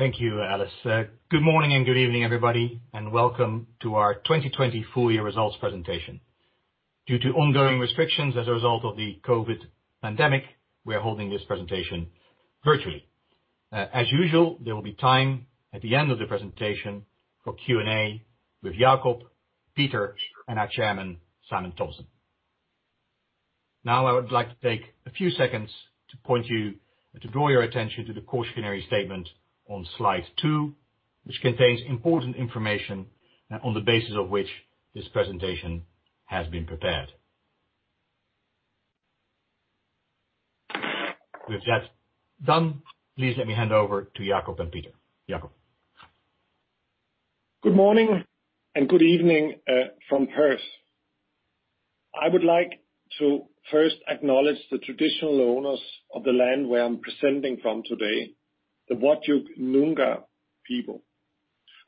Thank you, Alice. Good morning and good evening, everybody, and welcome to our 2020 full year results presentation. Due to ongoing restrictions as a result of the COVID-19 pandemic, we are holding this presentation virtually. As usual, there will be time at the end of the presentation for Q&A with Jakob, Peter, and our chairman, Simon Thompson. I would like to take a few seconds to draw your attention to the cautionary statement on slide two, which contains important information on the basis of which this presentation has been prepared. With that done, please let me hand over to Jakob and Peter. Jakob. Good morning, good evening from Perth. I would like to first acknowledge the traditional owners of the land where I'm presenting from today, the Whadjuk Noongar people.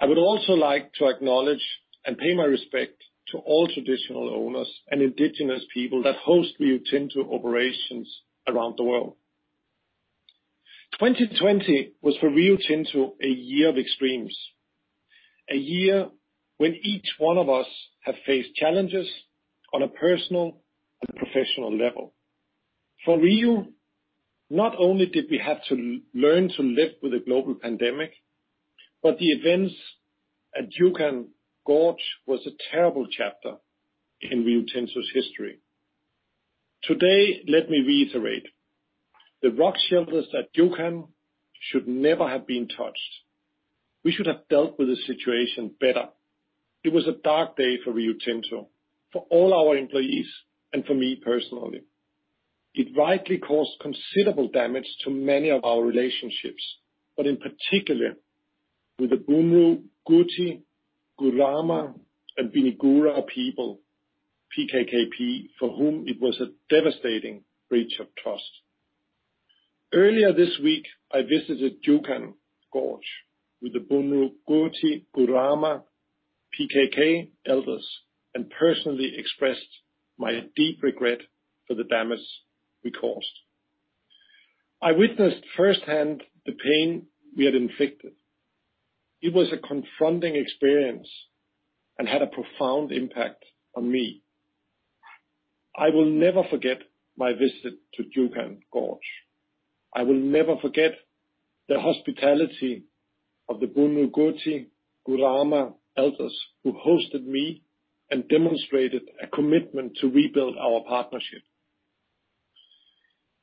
I would also like to acknowledge and pay my respect to all traditional owners and indigenous people that host Rio Tinto operations around the world. 2020 was for Rio Tinto a year of extremes. A year when each one of us have faced challenges on a personal and professional level. For Rio, not only did we have to learn to live with a global pandemic, but the events at Juukan Gorge was a terrible chapter in Rio Tinto's history. Today, let me reiterate, the rock shelters at Juukan should never have been touched. We should have dealt with the situation better. It was a dark day for Rio Tinto, for all our employees, and for me personally. It rightly caused considerable damage to many of our relationships, but in particular with the Puutu Kunti, Kurrama, and Pinikura people, PKKP, for whom it was a devastating breach of trust. Earlier this week, I visited Juukan Gorge with the Puutu Kunti, Kurrama, PKKP elders, and personally expressed my deep regret for the damage we caused. I witnessed firsthand the pain we had inflicted. It was a confronting experience and had a profound impact on me. I will never forget my visit to Juukan Gorge. I will never forget the hospitality of the Puutu Kunti, Kurrama elders who hosted me and demonstrated a commitment to rebuild our partnership.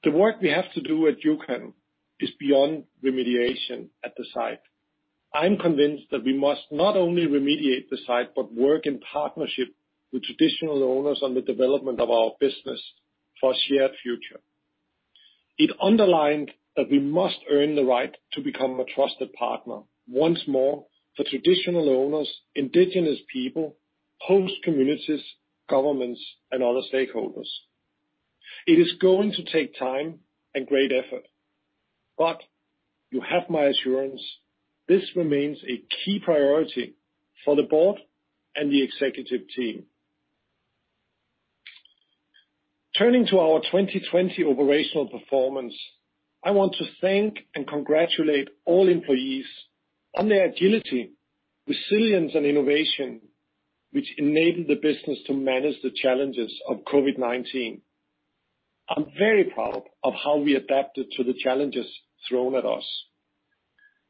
The work we have to do at Juukan is beyond remediation at the site. I'm convinced that we must not only remediate the site, but work in partnership with traditional owners on the development of our business for a shared future. It underlined that we must earn the right to become a trusted partner once more for traditional owners, indigenous people, host communities, governments, and other stakeholders. It is going to take time and great effort. You have my assurance, this remains a key priority for the board and the executive team. Turning to our 2020 operational performance, I want to thank and congratulate all employees on their agility, resilience, and innovation, which enabled the business to manage the challenges of COVID-19. I'm very proud of how we adapted to the challenges thrown at us.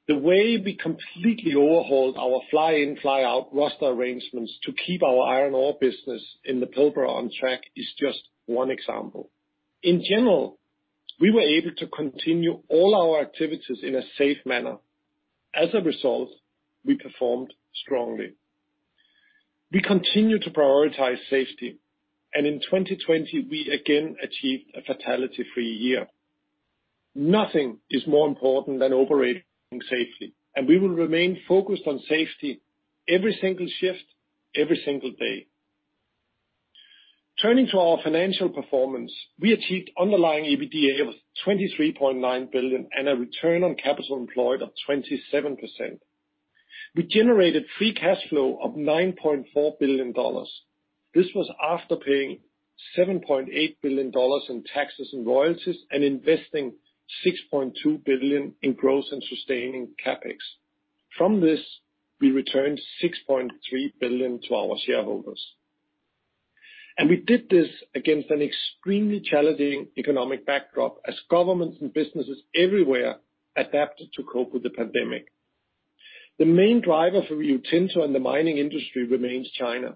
The way we completely overhauled our fly in, fly out roster arrangements to keep our iron ore business in the Pilbara on track is just one example. In general, we were able to continue all our activities in a safe manner. As a result, we performed strongly. We continue to prioritize safety, and in 2020, we again achieved a fatality-free year. Nothing is more important than operating safely, and we will remain focused on safety every single shift, every single day. Turning to our financial performance, we achieved underlying EBITDA of $23.9 billion and a return on capital employed of 27%. We generated free cash flow of $9.4 billion. This was after paying $7.8 billion in taxes and royalties, and investing $6.2 billion in gross and sustaining CapEx. From this, we returned $6.3 billion to our shareholders. We did this against an extremely challenging economic backdrop as governments and businesses everywhere adapted to cope with the pandemic. The main driver for Rio Tinto and the mining industry remains China.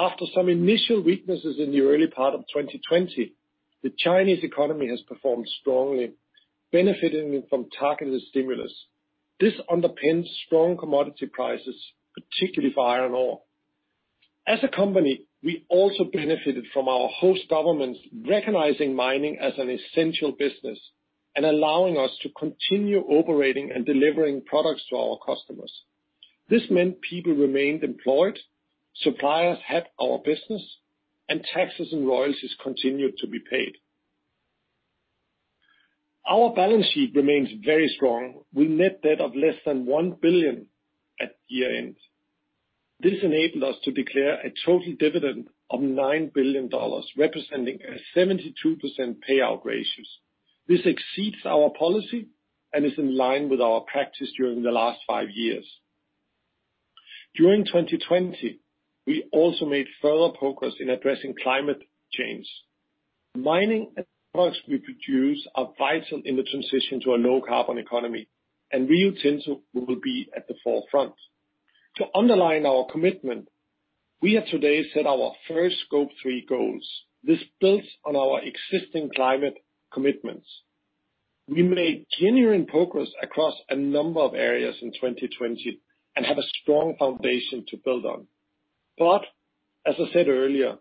After some initial weaknesses in the early part of 2020, the Chinese economy has performed strongly, benefiting from targeted stimulus. This underpins strong commodity prices, particularly for iron ore. As a company, we also benefited from our host governments recognizing mining as an essential business and allowing us to continue operating and delivering products to our customers. This meant people remained employed, suppliers had our business, and taxes and royalties continued to be paid. Our balance sheet remains very strong. We had net debt of less than $1 billion at year-end. This enabled us to declare a total dividend of $9 billion, representing a 72% payout ratios. This exceeds our policy and is in line with our practice during the last five years. During 2020, we also made further progress in addressing climate change. Mining products we produce are vital in the transition to a low carbon economy. Rio Tinto will be at the forefront. To underline our commitment, we have today set our first Scope 3 goals. This builds on our existing climate commitments. We made genuine progress across a number of areas in 2020 and have a strong foundation to build on. As I said earlier,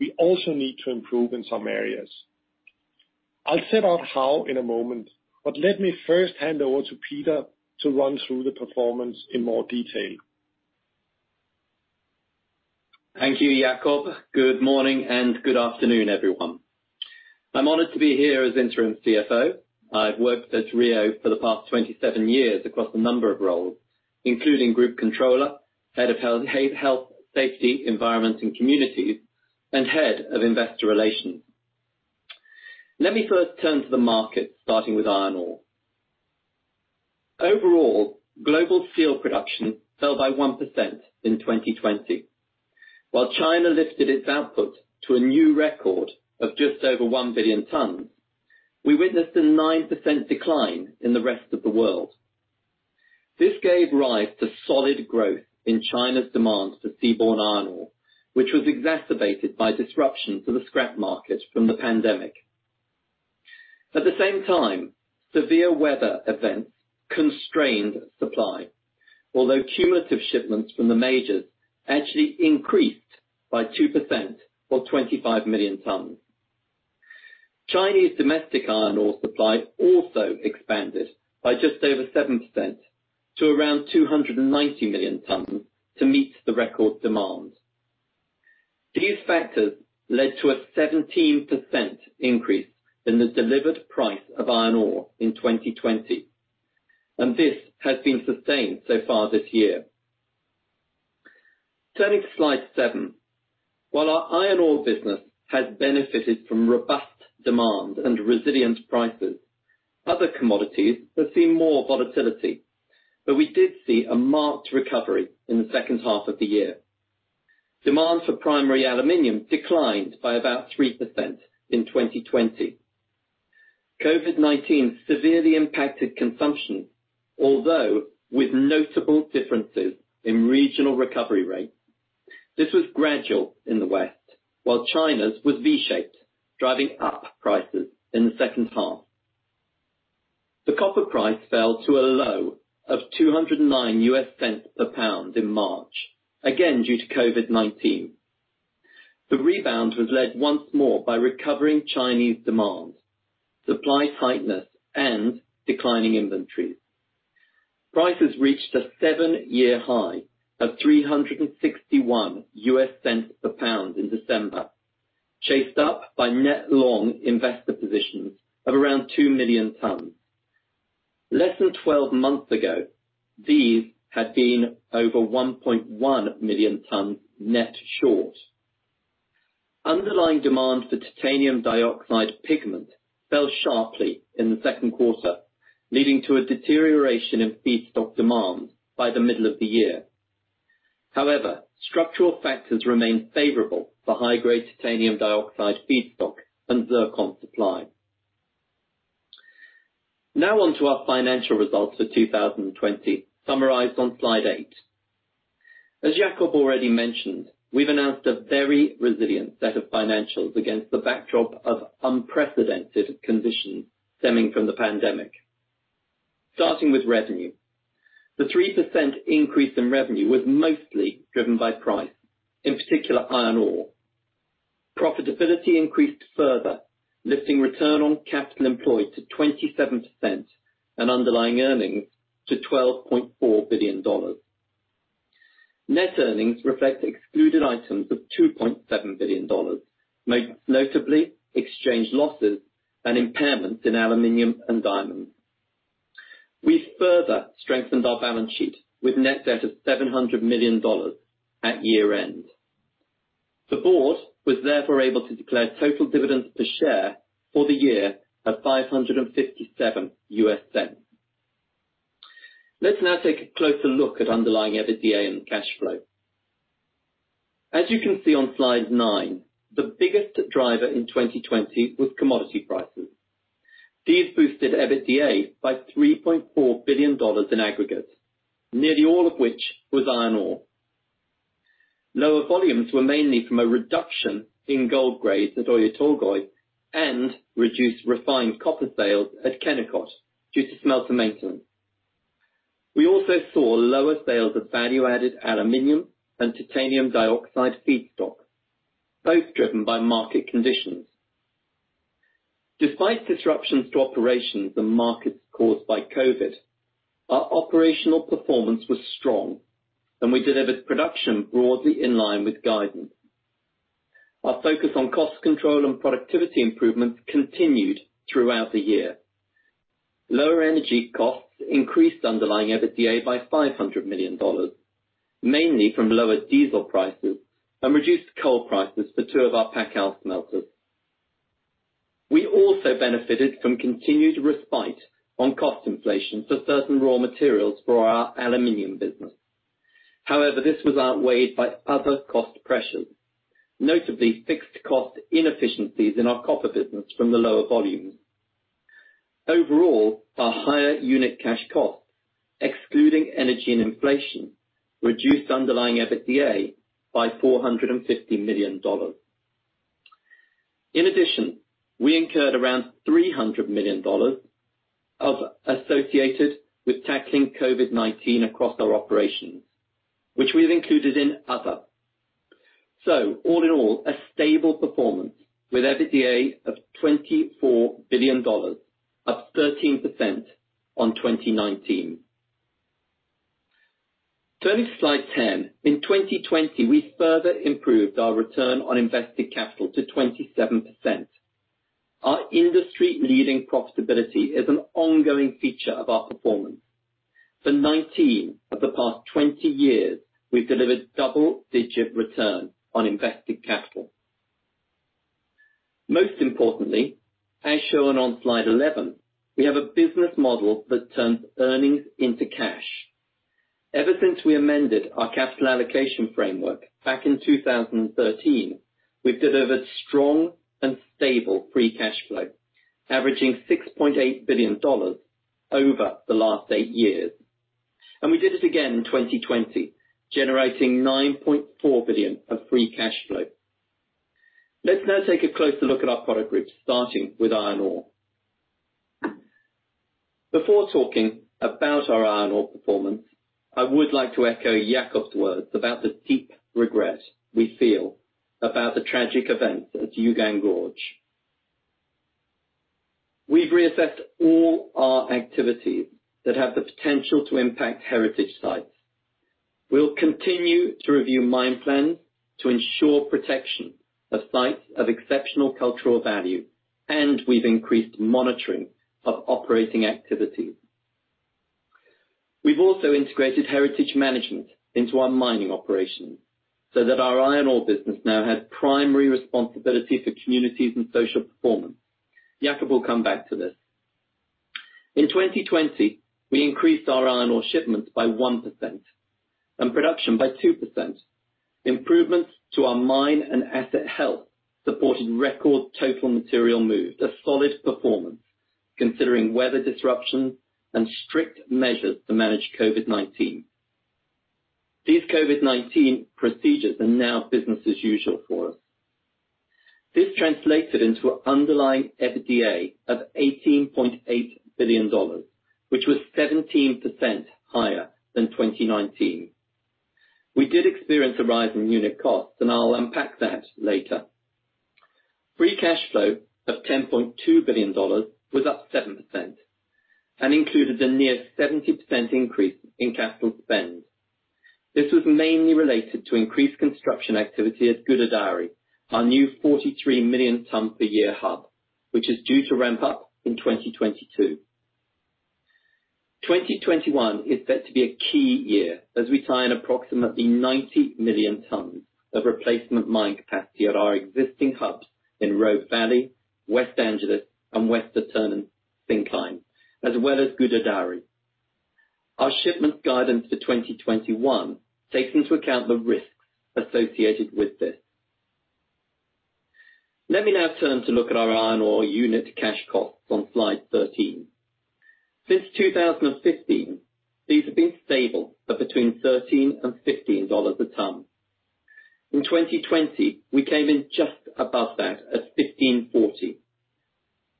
we also need to improve in some areas. I'll set out how in a moment, but let me first hand over to Peter to run through the performance in more detail. Thank you, Jakob. Good morning and good afternoon, everyone. I'm honored to be here as interim CFO. I've worked at Rio for the past 27 years across a number of roles, including group controller, Head of Health, Safety, Environment, and Communities, and Head of Investor Relations. Let me first turn to the market, starting with iron ore. Overall, global steel production fell by 1% in 2020. While China lifted its output to a new record of just over 1 billion tons, we witnessed a 9% decline in the rest of the world. This gave rise to solid growth in China's demands for seaborne iron ore, which was exacerbated by disruptions to the scrap market from the pandemic. At the same time, severe weather events constrained supply. Although cumulative shipments from the majors actually increased by 2%, or 25 million tons. Chinese domestic iron ore supply also expanded by just over 7% to around 290 million tons to meet the record demands. These factors led to a 17% increase in the delivered price of iron ore in 2020. This has been sustained so far this year. Turning to slide seven. While our iron ore business has benefited from robust demand and resilient prices, other commodities have seen more volatility. We did see a marked recovery in the second half of the year. Demand for primary aluminum declined by about 3% in 2020. COVID-19 severely impacted consumption, although with notable differences in regional recovery rates. This was gradual in the West, while China's was V-shaped, driving up prices in the second half. The copper price fell to a low of $2.09 per pound in March, again, due to COVID-19. The rebound was led once more by recovering Chinese demand, supply tightness, and declining inventories. Prices reached a seven-year high of $3.61 per pound in December, chased up by net long investor positions of around 2 million tons. Less than 12 months ago, these had been over 1.1 million ton net short. Underlying demand for titanium dioxide pigment fell sharply in the second quarter, leading to a deterioration in feedstock demand by the middle of the year. However, structural factors remain favorable for high-grade titanium dioxide feedstock and zircon supply. Now on to our financial results for 2020, summarized on slide eight. As Jakob already mentioned, we've announced a very resilient set of financials against the backdrop of unprecedented conditions stemming from the pandemic. Starting with revenue. The 3% increase in revenue was mostly driven by price, in particular, iron ore. Profitability increased further, lifting return on capital employed to 27%, and underlying earnings to $12.4 billion. Net earnings reflect excluded items of $2.7 billion, most notably exchange losses and impairments in aluminum and diamonds. We further strengthened our balance sheet with net debt of $700 million at year-end. The board was therefore able to declare total dividends per share for the year of $5.57. Let's now take a closer look at underlying EBITDA and cash flow. You can see on slide nine, the biggest driver in 2020 was commodity prices. These boosted EBITDA by $3.4 billion in aggregate, nearly all of which was iron ore. Lower volumes were mainly from a reduction in gold grades at Oyu Tolgoi and reduced refined copper sales at Kennecott due to smelter maintenance. We also saw lower sales of value-added aluminum and titanium dioxide feedstock, both driven by market conditions. Despite disruptions to operations and markets caused by COVID-19, our operational performance was strong, and we delivered production broadly in line with guidance. Our focus on cost control and productivity improvements continued throughout the year. Lower energy costs increased underlying EBITDA by $500 million, mainly from lower diesel prices and reduced coal prices for two of our Pacific smelters. We also benefited from continued respite on cost inflation for certain raw materials for our aluminum business. However, this was outweighed by other cost pressures, notably fixed cost inefficiencies in our copper business from the lower volumes. Overall, our higher unit cash costs, excluding energy and inflation, reduced underlying EBITDA by $450 million. In addition, we incurred around $300 million associated with tackling COVID-19 across our operations, which we have included in other. All in all, a stable performance with EBITDA of $24 billion, up 13% on 2019. Turning to slide 10. In 2020, we further improved our return on invested capital to 27%. Our industry-leading profitability is an ongoing feature of our performance. For 19 of the past 20 years, we've delivered double-digit return on invested capital. Most importantly, as shown on slide 11, we have a business model that turns earnings into cash. Ever since we amended our capital allocation framework back in 2013, we've delivered strong and stable free cash flow, averaging $6.8 billion over the last eight years. We did it again in 2020, generating $9.4 billion of free cash flow. Let's now take a closer look at our product groups, starting with iron ore. Before talking about our iron ore performance, I would like to echo Jakob's words about the deep regret we feel about the tragic events at Juukan Gorge. We've reassessed all our activities that have the potential to impact heritage sites. We'll continue to review mine plans to ensure protection of sites of exceptional cultural value. We've increased monitoring of operating activities. We've also integrated heritage management into our mining operations so that our iron ore business now has primary responsibility for communities and social performance. Jakob will come back to this. In 2020, we increased our iron ore shipments by 1% and production by 2%. Improvements to our mine and asset health supported record total material moved, a solid performance considering weather disruptions and strict measures to manage COVID-19. These COVID-19 procedures are now business as usual for us. This translated into underlying EBITDA of $18.8 billion, which was 17% higher than 2019. We did experience a rise in unit costs. I'll unpack that later. Free cash flow of $10.2 billion was up 7% and included a near 70% increase in capital spend. This was mainly related to increased construction activity at Gudai-Darri, our new 43-million-tonne per year hub, which is due to ramp up in 2022. 2021 is set to be a key year as we tie in approximately 90 million tonnes of replacement mine capacity at our existing hubs in Robe Valley, West Angelas, and Western Turner Syncline, as well as Gudai-Darri. Our shipment guidance for 2021 takes into account the risks associated with this. Let me now turn to look at our iron ore unit cash costs on slide 13. Since 2015, these have been stable at between $13 and $15 a tonne. In 2020, we came in just above that at 15.40.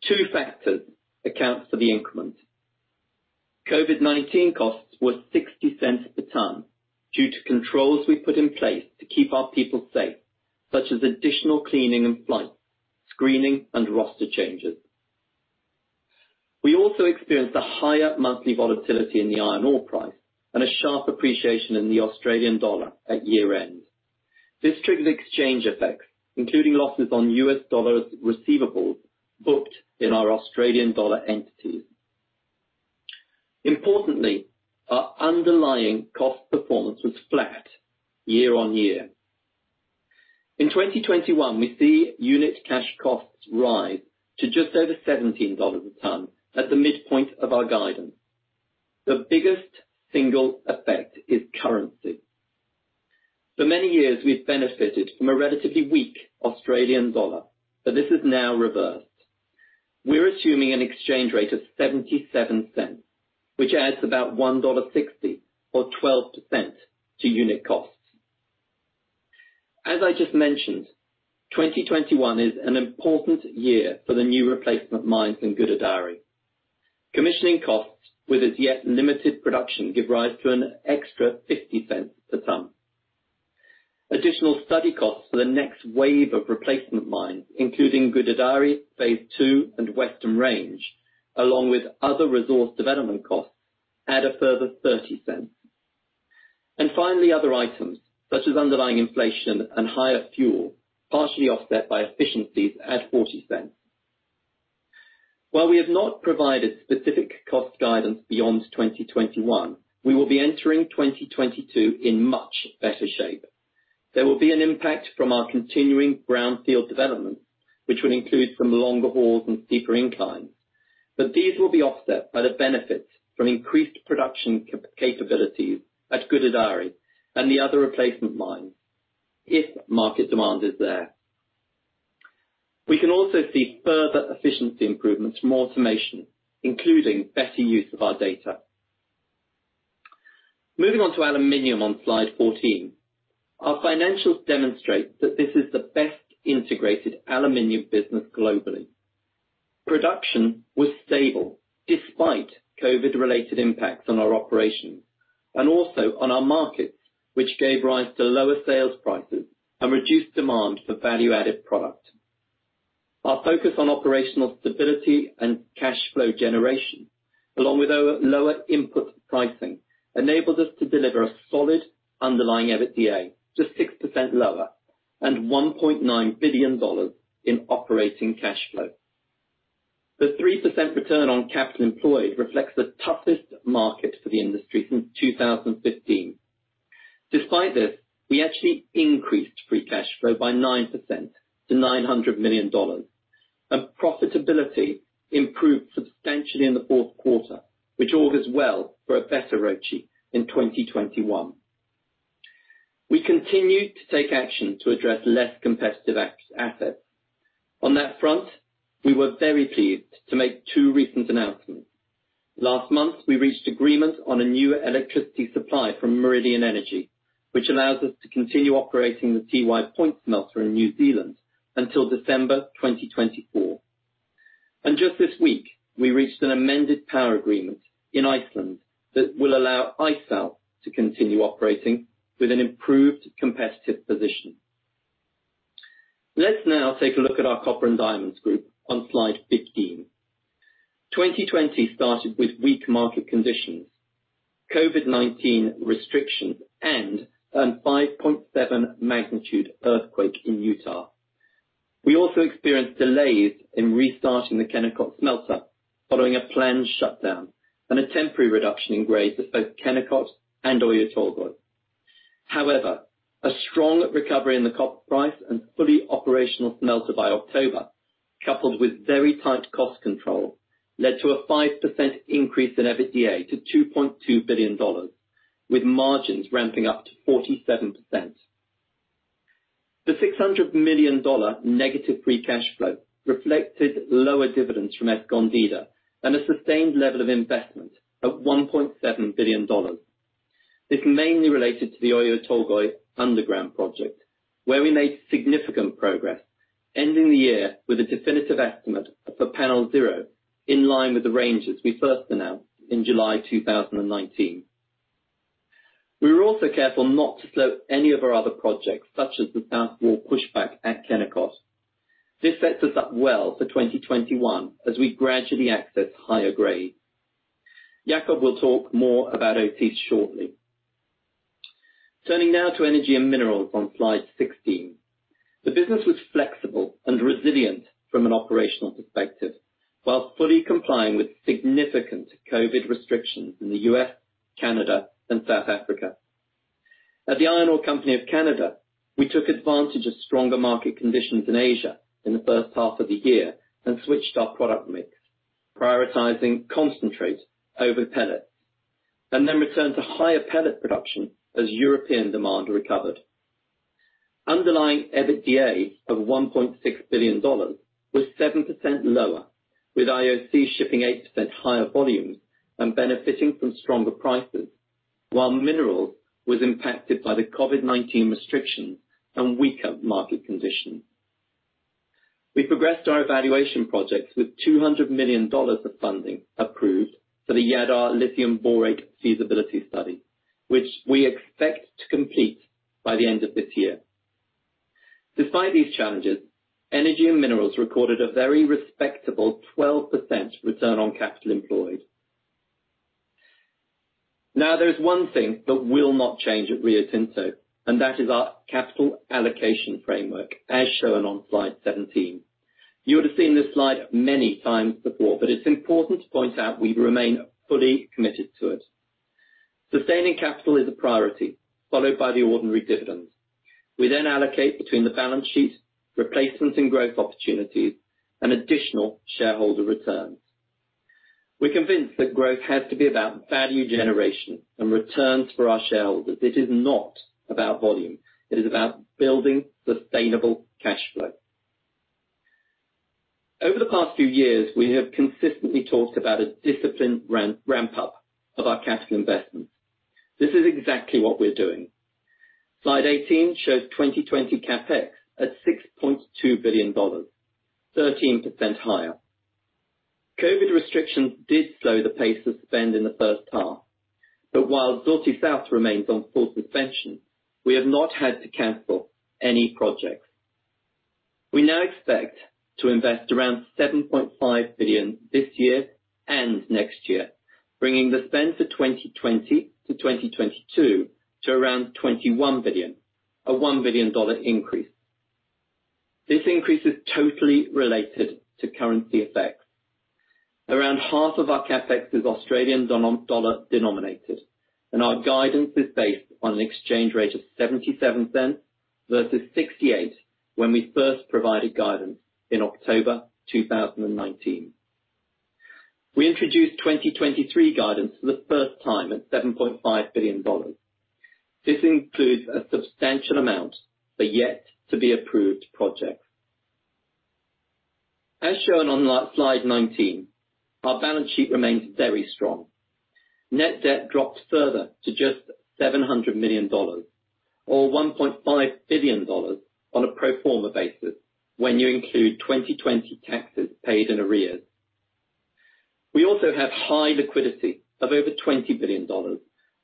Two factors account for the increment. COVID-19 costs were $0.60 per tonne due to controls we put in place to keep our people safe, such as additional cleaning and flight screening and roster changes. We also experienced a higher monthly volatility in the iron ore price and a sharp appreciation in the Australian dollar at year-end. This triggered exchange effects, including losses on US dollar receivables booked in our Australian dollar entities. Importantly, our underlying cost performance was flat year-on-year. In 2021, we see unit cash costs rise to just over $17 a tonne at the midpoint of our guidance. The biggest single effect is currency. For many years, we've benefited from a relatively weak Australian dollar, but this is now reversed. We're assuming an exchange rate of $0.77, which adds about $1.60 or 12% to unit costs. As I just mentioned, 2021 is an important year for the new replacement mines in Gudai-Darri. Commissioning costs with its yet limited production give rise to an extra $0.50 per tonne. Additional study costs for the next wave of replacement mines, including Gudai-Darri Phase 2 and Western Range, along with other resource development costs, add a further $0.30. Finally, other items, such as underlying inflation and higher fuel, partially offset by efficiencies at $0.40. While we have not provided specific cost guidance beyond 2021, we will be entering 2022 in much better shape. There will be an impact from our continuing brownfield development, which will include some longer hauls and steeper inclines, but these will be offset by the benefits from increased production capabilities at Gudai-Darri and the other replacement mines if market demand is there. We can also see further efficiency improvements from automation, including better use of our data. Moving on to aluminum on slide 14. Our financials demonstrate that this is the best integrated aluminum business globally. Production was stable despite COVID-related impacts on our operations, and also on our markets, which gave rise to lower sales prices and reduced demand for value-added product. Our focus on operational stability and cash flow generation, along with our lower input pricing, enabled us to deliver a solid underlying EBITDA, just 6% lower, and $1.9 billion in operating cash flow. The 3% return on capital employed reflects the toughest market for the industry since 2015. Despite this, we actually increased free cash flow by 9% to $900 million. Profitability improved substantially in the fourth quarter, which augurs well for a better ROCE in 2021. We continued to take action to address less competitive assets. On that front, we were very pleased to make two recent announcements. Last month, we reached agreement on a new electricity supply from Meridian Energy, which allows us to continue operating the Tiwai Point smelter in New Zealand until December 2024. Just this week, we reached an amended power agreement in Iceland that will allow ISAL to continue operating with an improved competitive position. Let's now take a look at our Copper and Diamonds group on slide 15. 2020 started with weak market conditions, COVID-19 restrictions, and a 5.7 magnitude earthquake in Utah. We also experienced delays in restarting the Kennecott smelter following a planned shutdown and a temporary reduction in grades at both Kennecott and Oyu Tolgoi. However, a strong recovery in the copper price and fully operational smelter by October, coupled with very tight cost control, led to a 5% increase in EBITDA to $2.2 billion, with margins ramping up to 47%. The $600 million negative free cash flow reflected lower dividends from Escondida and a sustained level of investment of $1.7 billion. This mainly related to the Oyu Tolgoi Underground project, where we made significant progress, ending the year with a definitive estimate for Panel 0 in line with the ranges we first announced in July 2019. We were also careful not to slow any of our other projects, such as the south wall pushback at Kennecott. This sets us up well for 2021 as we gradually access higher grade. Jakob will talk more about OT shortly. Turning now to Energy & Minerals on slide 16. The business was flexible and resilient from an operational perspective, while fully complying with significant COVID restrictions in the U.S., Canada, and South Africa. At the Iron Ore Company of Canada, we took advantage of stronger market conditions in Asia in the first half of the year and switched our product mix, prioritizing concentrate over pellet, and then returned to higher pellet production as European demand recovered. Underlying EBITDA of $1.6 billion was 7% lower, with IOC shipping 8% higher volumes and benefiting from stronger prices, while minerals was impacted by the COVID-19 restrictions and weaker market conditions. We progressed our evaluation projects with $200 million of funding approved for the Jadar Lithium-Borates feasibility study, which we expect to complete by the end of this year. Despite these challenges, Energy & Minerals recorded a very respectable 12% return on capital employed. There's one thing that will not change at Rio Tinto, and that is our capital allocation framework, as shown on slide 17. You would have seen this slide many times before, but it's important to point out we remain fully committed to it. Sustaining capital is a priority, followed by the ordinary dividends. We then allocate between the balance sheet, replacements and growth opportunities, and additional shareholder returns. We're convinced that growth has to be about value generation and returns for our shareholders. It is not about volume. It is about building sustainable cash flow. Over the past few years, we have consistently talked about a disciplined ramp up of our capital investments. This is exactly what we're doing. Slide 18 shows 2020 CapEx at $6.2 billion, 13% higher. COVID restrictions did slow the pace of spend in the first half, but while Zulti South remains on full suspension, we have not had to cancel any projects. We now expect to invest around $7.5 billion this year and next year, bringing the spend for 2020 to 2022 to around $21 billion, a $1 billion increase. This increase is totally related to currency effects. Around half of our CapEx is Australian dollar denominated, and our guidance is based on an exchange rate of $0.77 versus $0.68 when we first provided guidance in October 2019. We introduced 2023 guidance for the first time at $7.5 billion. This includes a substantial amount for yet to be approved projects. As shown on slide 19, our balance sheet remains very strong. Net debt dropped further to just $700 million, or $1.5 billion on a pro forma basis when you include 2020 taxes paid in arrears. We also have high liquidity of over $20 billion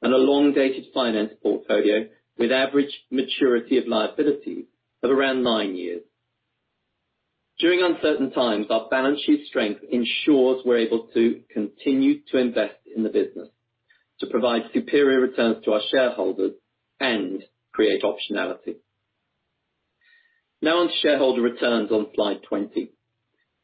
and a long-dated finance portfolio with average maturity of liabilities of around nine years. During uncertain times, our balance sheet strength ensures we're able to continue to invest in the business to provide superior returns to our shareholders and create optionality. Now on shareholder returns on slide 20.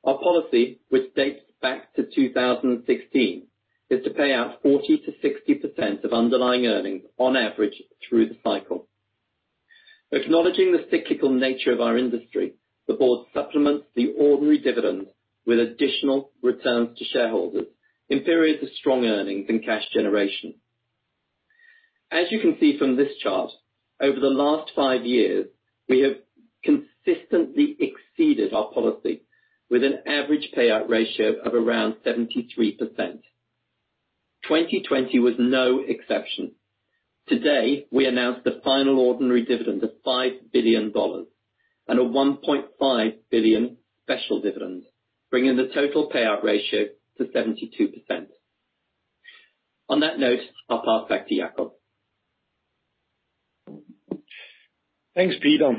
Our policy, which dates back to 2016, is to pay out 40%-60% of underlying earnings on average through the cycle. Acknowledging the cyclical nature of our industry, the board supplements the ordinary dividends with additional returns to shareholders in periods of strong earnings and cash generation. As you can see from this chart, over the last five years, we have consistently exceeded our policy with an average payout ratio of around 73%. 2020 was no exception. Today, we announced the final ordinary dividend of $5 billion and a $1.5 billion special dividend, bringing the total payout ratio to 72%. On that note, I'll pass back to Jakob. Thanks, Peter.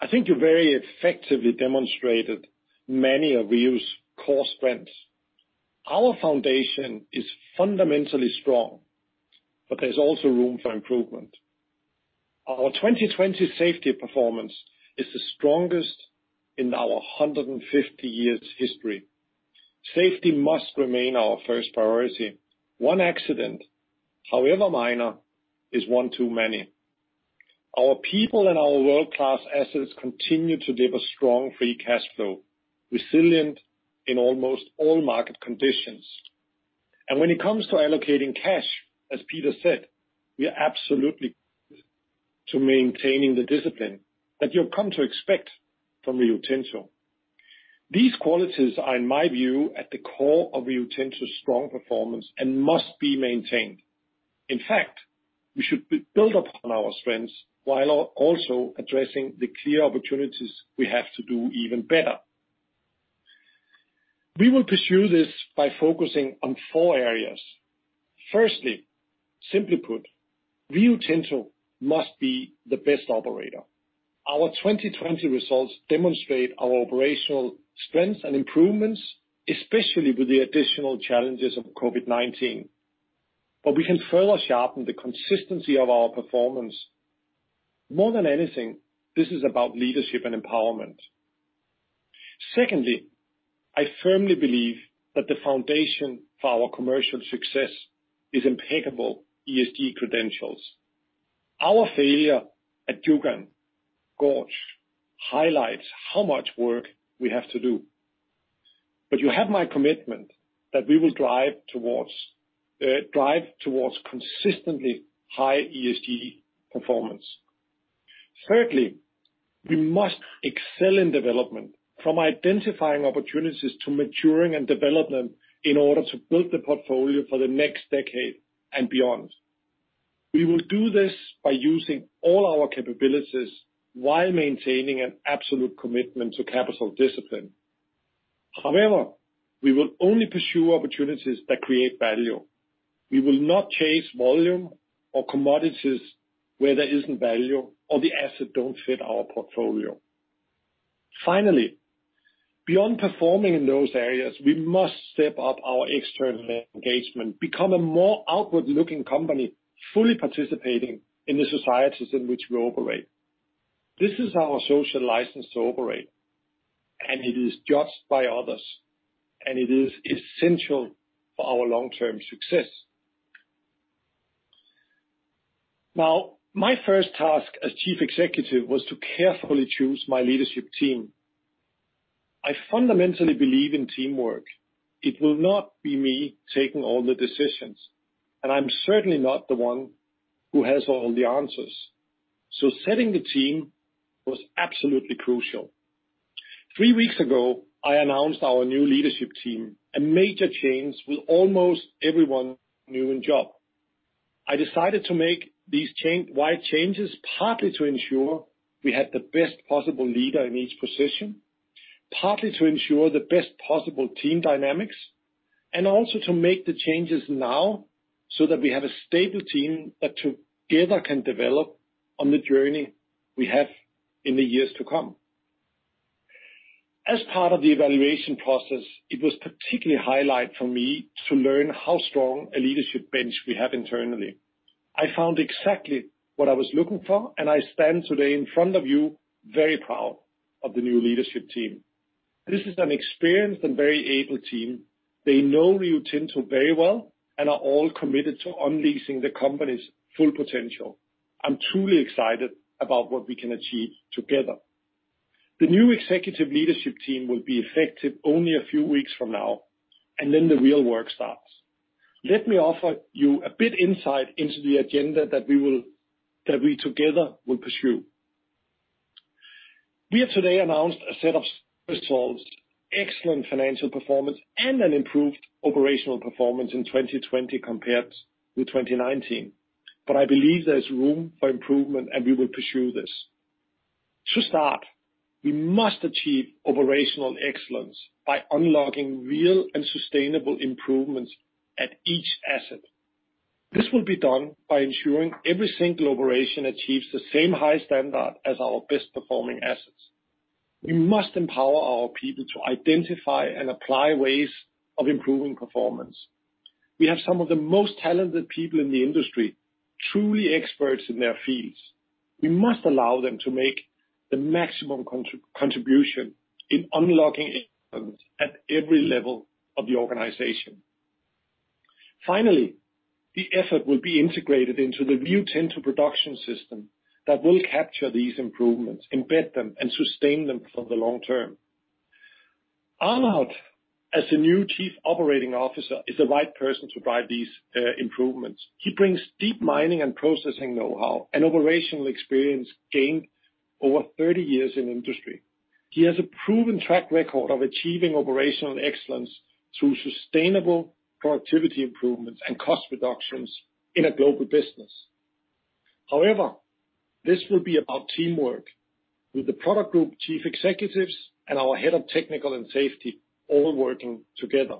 I think you very effectively demonstrated many of Rio's core strengths. Our foundation is fundamentally strong, but there's also room for improvement. Our 2020 safety performance is the strongest in our 150 years history. Safety must remain our first priority. One accident, however minor, is one too many. Our people and our world-class assets continue to give a strong free cash flow, resilient in almost all market conditions. When it comes to allocating cash, as Peter said, we are absolutely committed to maintaining the discipline that you've come to expect from Rio Tinto. These qualities are, in my view, at the core of Rio Tinto's strong performance and must be maintained. In fact, we should build upon our strengths while also addressing the clear opportunities we have to do even better. We will pursue this by focusing on four areas. Firstly, simply put, Rio Tinto must be the best operator. Our 2020 results demonstrate our operational strengths and improvements, especially with the additional challenges of COVID-19. We can further sharpen the consistency of our performance. More than anything, this is about leadership and empowerment. Secondly, I firmly believe that the foundation for our commercial success is impeccable ESG credentials. Our failure at Juukan Gorge highlights how much work we have to do. You have my commitment that we will drive towards consistently high ESG performance. Thirdly, we must excel in development, from identifying opportunities to maturing and develop them in order to build the portfolio for the next decade and beyond. We will do this by using all our capabilities while maintaining an absolute commitment to capital discipline. However, we will only pursue opportunities that create value. We will not chase volume or commodities where there isn't value or the asset don't fit our portfolio. Finally, beyond performing in those areas, we must step up our external engagement, become a more outward-looking company, fully participating in the societies in which we operate. This is our social license to operate, and it is judged by others, and it is essential for our long-term success. Now, my first task as Chief Executive was to carefully choose my leadership team. I fundamentally believe in teamwork. It will not be me taking all the decisions, and I'm certainly not the one who has all the answers. Setting the team was absolutely crucial. Three weeks ago, I announced our new leadership team, a major change with almost everyone new in job. I decided to make these wide changes partly to ensure we had the best possible leader in each position. Partly to ensure the best possible team dynamics, and also to make the changes now so that we have a stable team that together can develop on the journey we have in the years to come. As part of the evaluation process, it was particularly a highlight for me to learn how strong a leadership bench we have internally. I found exactly what I was looking for, and I stand today in front of you, very proud of the new leadership team. This is an experienced and very able team. They know Rio Tinto very well and are all committed to unleashing the company's full potential. I'm truly excited about what we can achieve together. The new executive leadership team will be effective only a few weeks from now, and then the real work starts. Let me offer you a bit insight into the agenda that we together will pursue. We have today announced a set of results, excellent financial performance, and an improved operational performance in 2020 compared to 2019. I believe there's room for improvement, and we will pursue this. To start, we must achieve operational excellence by unlocking real and sustainable improvements at each asset. This will be done by ensuring every single operation achieves the same high standard as our best-performing assets. We must empower our people to identify and apply ways of improving performance. We have some of the most talented people in the industry, truly experts in their fields. We must allow them to make the maximum contribution in unlocking improvements at every level of the organization. Finally, the effort will be integrated into the new Rio Tinto Safe Production System that will capture these improvements, embed them, and sustain them for the long term. Arnaud, as the new Chief Operating Officer, is the right person to drive these improvements. He brings deep mining and processing know-how and operational experience gained over 30 years in the industry. He has a proven track record of achieving operational excellence through sustainable productivity improvements and cost reductions in a global business. This will be about teamwork with the product group Chief Executives and our head of technical and safety all working together.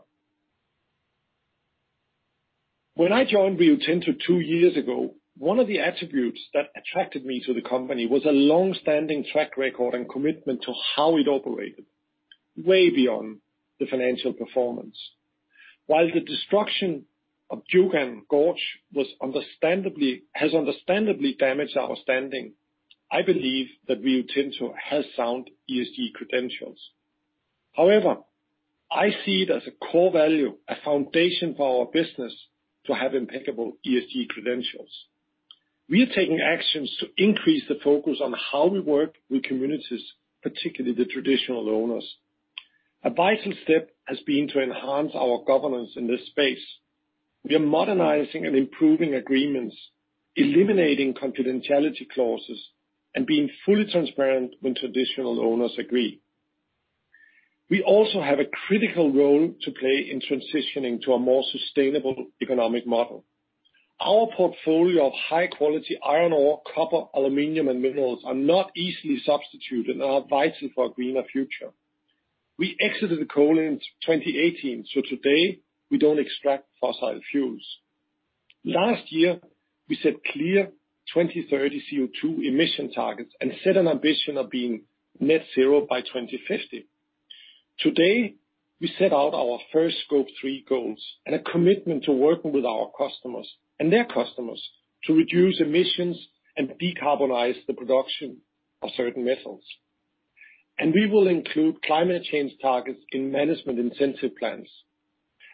When I joined Rio Tinto two years ago, one of the attributes that attracted me to the company was a long-standing track record and commitment to how it operated, way beyond the financial performance. While the destruction of Juukan Gorge has understandably damaged our standing, I believe that Rio Tinto has sound ESG credentials. However, I see it as a core value, a foundation for our business to have impeccable ESG credentials. We are taking actions to increase the focus on how we work with communities, particularly the traditional owners. A vital step has been to enhance our governance in this space. We are modernizing and improving agreements, eliminating confidentiality clauses, and being fully transparent when traditional owners agree. We also have a critical role to play in transitioning to a more sustainable economic model. Our portfolio of high-quality iron ore, copper, aluminum, and minerals are not easily substituted and are vital for a greener future. We exited the coal in 2018, so today we don't extract fossil fuels. Last year, we set clear 2030 CO2 emission targets and set an ambition of being net zero by 2050. Today, we set out our first Scope 3 goals and a commitment to working with our customers and their customers to reduce emissions and decarbonize the production of certain metals. We will include climate change targets in management incentive plans,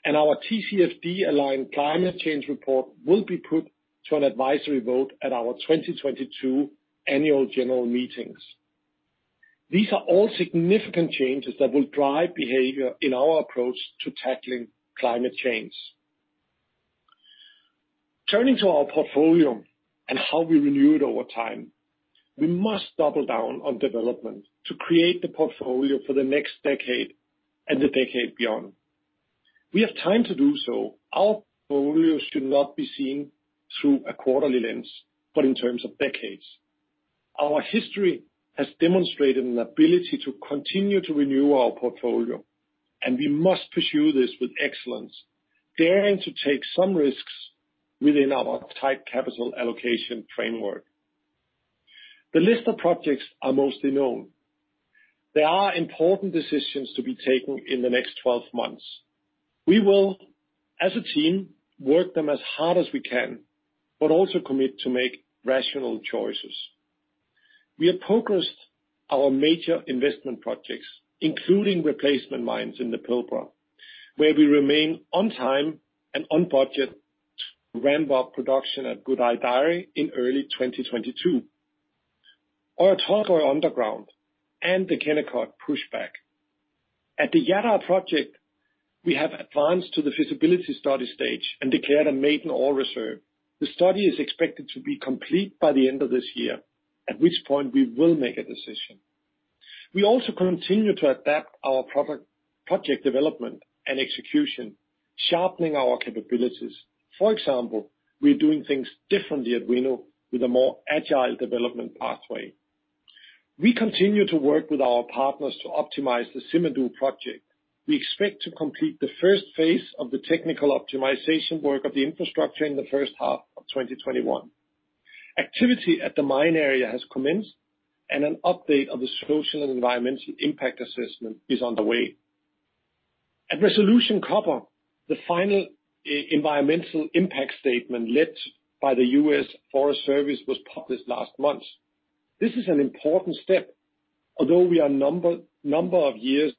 and our TCFD-aligned climate change report will be put to an advisory vote at our 2022 annual general meetings. These are all significant changes that will drive behavior in our approach to tackling climate change. Turning to our portfolio and how we renew it over time, we must double down on development to create the portfolio for the next decade and the decade beyond. We have time to do so. Our portfolio should not be seen through a quarterly lens, but in terms of decades. Our history has demonstrated an ability to continue to renew our portfolio, and we must pursue this with excellence, daring to take some risks within our tight capital allocation framework. The list of projects are mostly known. There are important decisions to be taken in the next 12 months. We will, as a team, work them as hard as we can, but also commit to make rational choices. We have focused our major investment projects, including replacement mines in the Pilbara, where we remain on time and on budget to ramp up production at Gudai-Darri in early 2022, our Oyu Tolgoi Underground and the Kennecott pushback. At the Jadar project, we have advanced to the feasibility study stage and declared a maiden ore reserve. The study is expected to be complete by the end of this year, at which point we will make a decision. We also continue to adapt our project development and execution, sharpening our capabilities. For example, we are doing things differently at Winu with a more agile development pathway. We continue to work with our partners to optimize the Simandou project. We expect to complete the first phase of the technical optimization work of the infrastructure in the first half of 2021. Activity at the mine area has commenced, an update of the social and environmental impact assessment is on the way. At Resolution Copper, the final environmental impact statement, led by the U.S. Forest Service, was published last month. This is an important step, although we are a number of years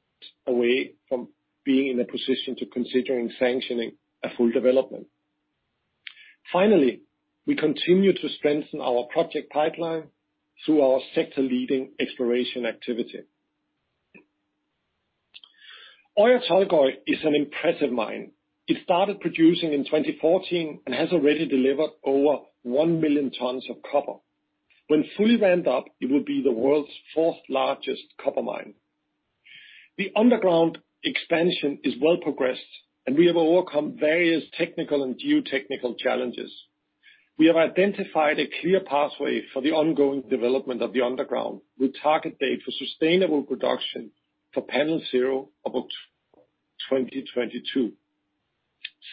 away from being in a position to considering sanctioning a full development. Finally, we continue to strengthen our project pipeline through our sector-leading exploration activity. Oyu Tolgoi is an impressive mine. It started producing in 2014 and has already delivered over 1 million tons of copper. When fully ramped up, it will be the world's fourth-largest copper mine. The underground expansion is well progressed, and we have overcome various technical and geotechnical challenges. We have identified a clear pathway for the ongoing development of the underground, with target date for sustainable production for Panel 0 about 2022.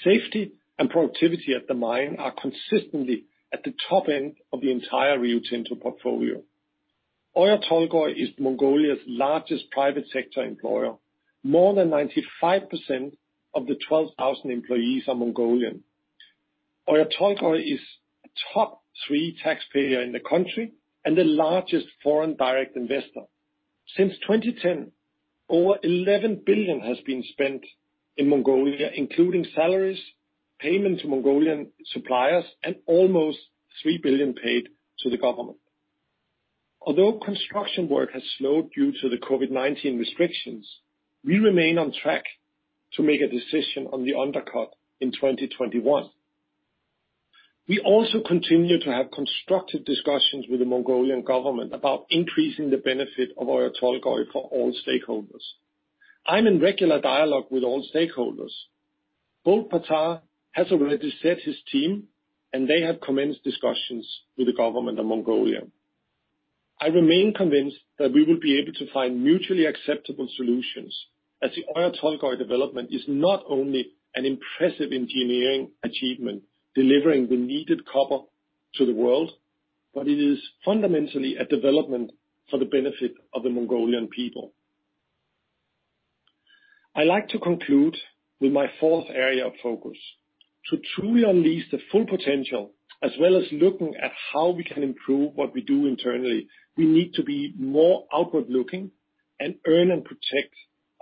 Safety and productivity at the mine are consistently at the top end of the entire Rio Tinto portfolio. Oyu Tolgoi is Mongolia's largest private sector employer. More than 95% of the 12,000 employees are Mongolian. Oyu Tolgoi is a top three taxpayer in the country and the largest foreign direct investor. Since 2010, over $11 billion has been spent in Mongolia, including salaries, payment to Mongolian suppliers, and almost $3 billion paid to the government. Although construction work has slowed due to the COVID-19 restrictions, we remain on track to make a decision on the undercut in 2021. We also continue to have constructive discussions with the Mongolian government about increasing the benefit of Oyu Tolgoi for all stakeholders. I'm in regular dialogue with all stakeholders. Bold Baatar has already set his team. They have commenced discussions with the government of Mongolia. I remain convinced that we will be able to find mutually acceptable solutions, as the Oyu Tolgoi development is not only an impressive engineering achievement, delivering the needed copper to the world, but it is fundamentally a development for the benefit of the Mongolian people. I'd like to conclude with my fourth area of focus. To truly unleash the full potential, as well as looking at how we can improve what we do internally, we need to be more outward looking and earn and protect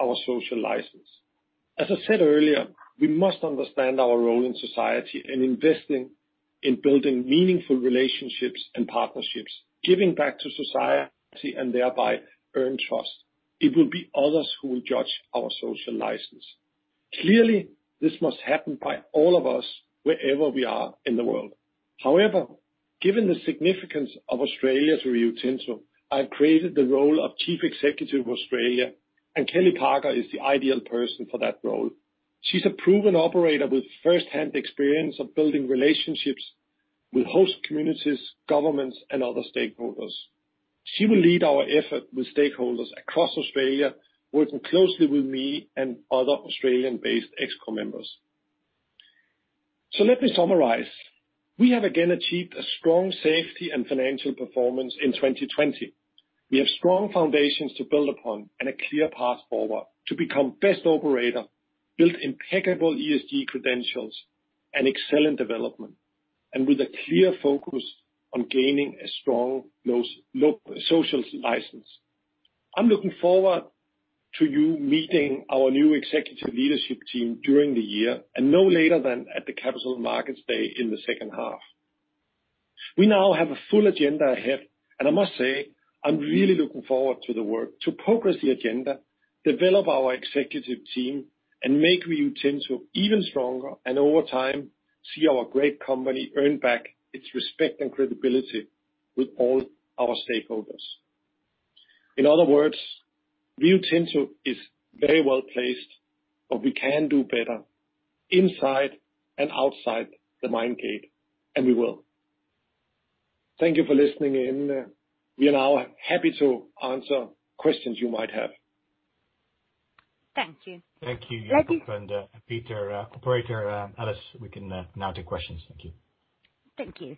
our social license. As I said earlier, we must understand our role in society and invest in building meaningful relationships and partnerships, giving back to society, and thereby earn trust. It will be others who will judge our social license. This must happen by all of us, wherever we are in the world. Given the significance of Australia to Rio Tinto, I've created the role of Chief Executive of Australia, and Kellie Parker is the ideal person for that role. She's a proven operator with firsthand experience of building relationships with host communities, governments, and other stakeholders. She will lead our effort with stakeholders across Australia, working closely with me and other Australian-based ExCo members. Let me summarize. We have again achieved a strong safety and financial performance in 2020. We have strong foundations to build upon and a clear path forward to become best operator, build impeccable ESG credentials and excellent development, and with a clear focus on gaining a strong social license. I'm looking forward to you meeting our new executive leadership team during the year, and no later than at the Capital Markets Day in the second half. We now have a full agenda ahead, and I must say, I'm really looking forward to the work to progress the agenda, develop our executive team, and make Rio Tinto even stronger and over time, see our great company earn back its respect and credibility with all our stakeholders. In other words, Rio Tinto is very well-placed, but we can do better inside and outside the mine gate, and we will. Thank you for listening in. We are now happy to answer questions you might have. Thank you. Thank you, Jakob and Peter. Operator, Alice, we can now take questions. Thank you. Thank you.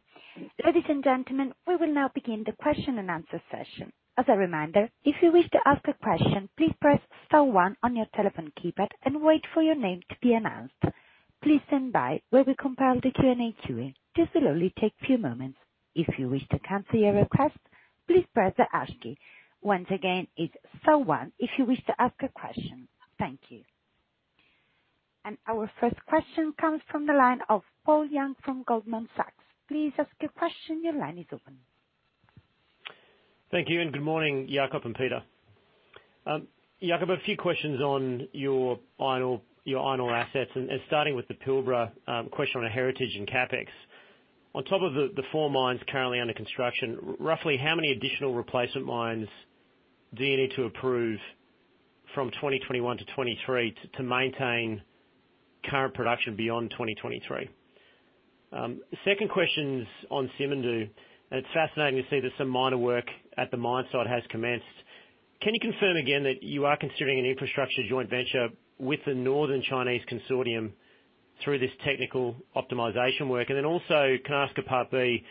Ladies and gentlemen, we will now begin the question and answer session. As a reminder, if you wish to ask a question, please press star one on your telephone keypad and wait for your name to be announced. If you wish to cancel your request, please press the hash key. Once again, it's star one if you wish to ask a question. Thank you. Our first question comes from the line of Paul Young from Goldman Sachs. Please ask your question. Your line is open. Thank you. Good morning, Jakob and Peter. Jakob, a few questions on your iron ore assets, starting with the Pilbara, question on Heritage and CapEx. On top of the four mines currently under construction, roughly how many additional replacement mines do you need to approve from 2021 to 2023 to maintain current production beyond 2023? Second question is on Simandou. It is fascinating to see that some miner work at the mine site has commenced. Can you confirm again that you are considering an infrastructure joint venture with the northern Chinese consortium through this technical optimization work? Also, can I ask a Part B,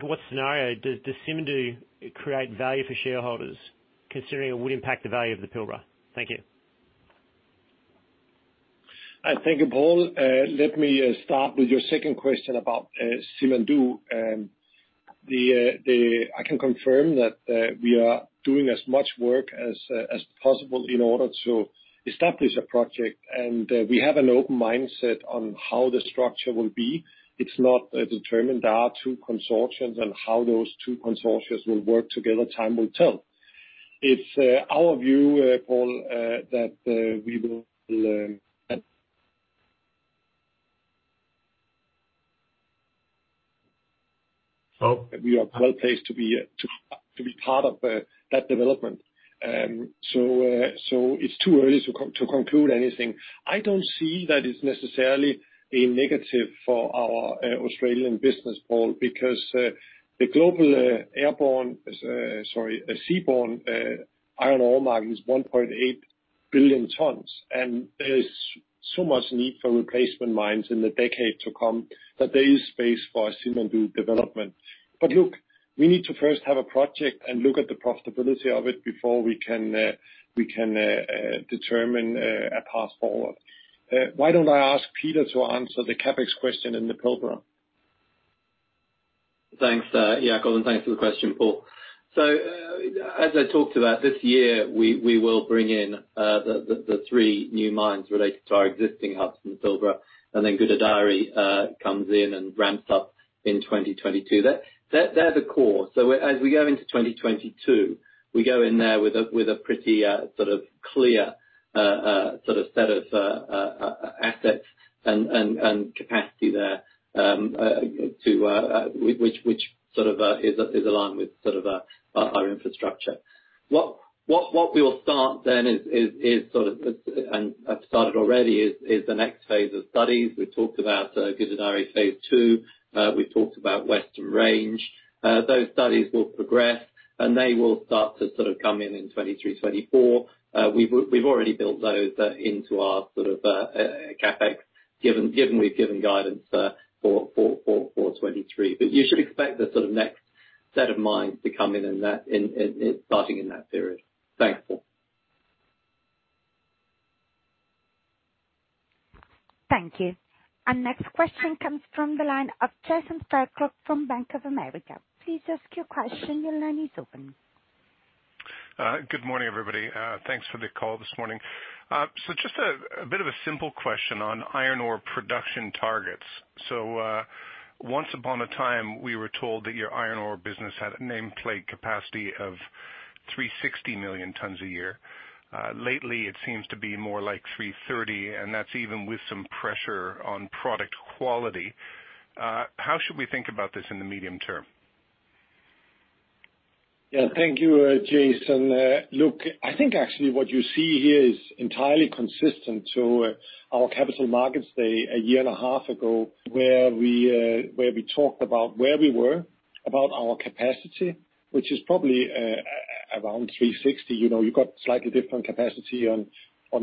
what scenario does Simandou create value for shareholders considering it would impact the value of the Pilbara? Thank you. Thank you, Paul. Let me start with your second question about Simandou. I can confirm that we are doing as much work as possible in order to establish a project, and we have an open mindset on how the structure will be. It's not determined. There are two consortiums and how those two consortiums will work together, time will tell. It's our view, Paul, that we are well-placed to be part of that development. It's too early to conclude anything. I don't see that it's necessarily a negative for our Australian business, Paul, because the global airborne, sorry, seaborne iron ore market is 1.8 billion tons, and there is so much need for replacement mines in the decade to come that there is space for a Simandou development. look, we need to first have a project and look at the profitability of it before we can determine a path forward. Why don't I ask Peter to answer the CapEx question in the Pilbara. Thanks, Jakob, and thanks for the question, Paul. As I talked about this year, we will bring in the three new mines related to our existing hubs in the Pilbara, and then Gudai-Darri comes in and ramps up in 2022. They're the core. As we go into 2022, we go in there with a pretty clear set of assets and capacity there, which is aligned with our infrastructure. What we will start then is, and have started already, is the next phase of studies. We talked about Gudai-Darri Phase 2. We talked about Western Range. Those studies will progress, and they will start to come in in 2023, 2024. We've already built those into our CapEx, given we've given guidance for 2023. You should expect the next set of mines to come in and starting in that period. Thanks, Paul. Thank you. Our next question comes from the line of Jason Fairclough from Bank of America. Please ask your question. Your line is open. Good morning, everybody. Thanks for the call this morning. Just a bit of a simple question on iron ore production targets. Once upon a time, we were told that your iron ore business had a nameplate capacity of 360 million tons a year. Lately, it seems to be more like 330, and that's even with some pressure on product quality. How should we think about this in the medium term? Yeah. Thank you, Jason. Look, I think actually what you see here is entirely consistent to our Capital Markets Day a year and a half ago, where we talked about where we were, about our capacity, which is probably around 360. You've got slightly different capacity on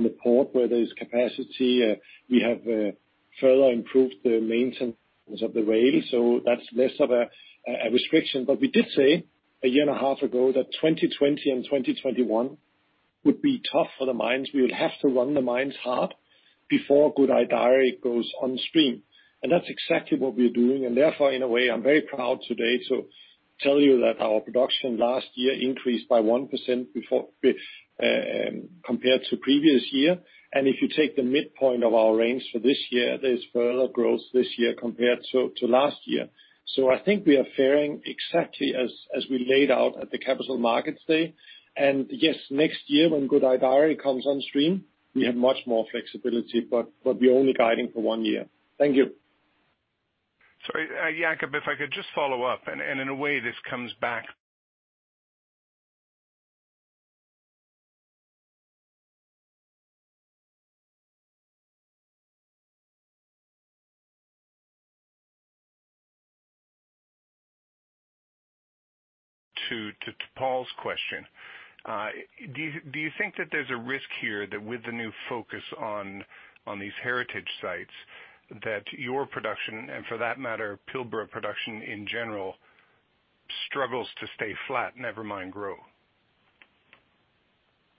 the port where there's capacity. We have further improved the maintenance of the rail, so that's less of a restriction. We did say a year and a half ago that 2020 and 2021 would be tough for the mines. We would have to run the mines hard before Gudai-Darri goes on stream, and that's exactly what we're doing, and therefore, in a way, I'm very proud today to tell you that our production last year increased by 1% compared to previous year. If you take the midpoint of our range for this year, there's further growth this year compared to last year. I think we are fairing exactly as we laid out at the Capital Markets Day. Yes, next year when Gudai-Darri comes on stream, we have much more flexibility. We're only guiding for one year. Thank you. Sorry, Jakob, if I could just follow up, and in a way, this comes back to Paul's question. Do you think that there's a risk here that with the new focus on these heritage sites, that your production, and for that matter, Pilbara production in general, struggles to stay flat, never mind grow?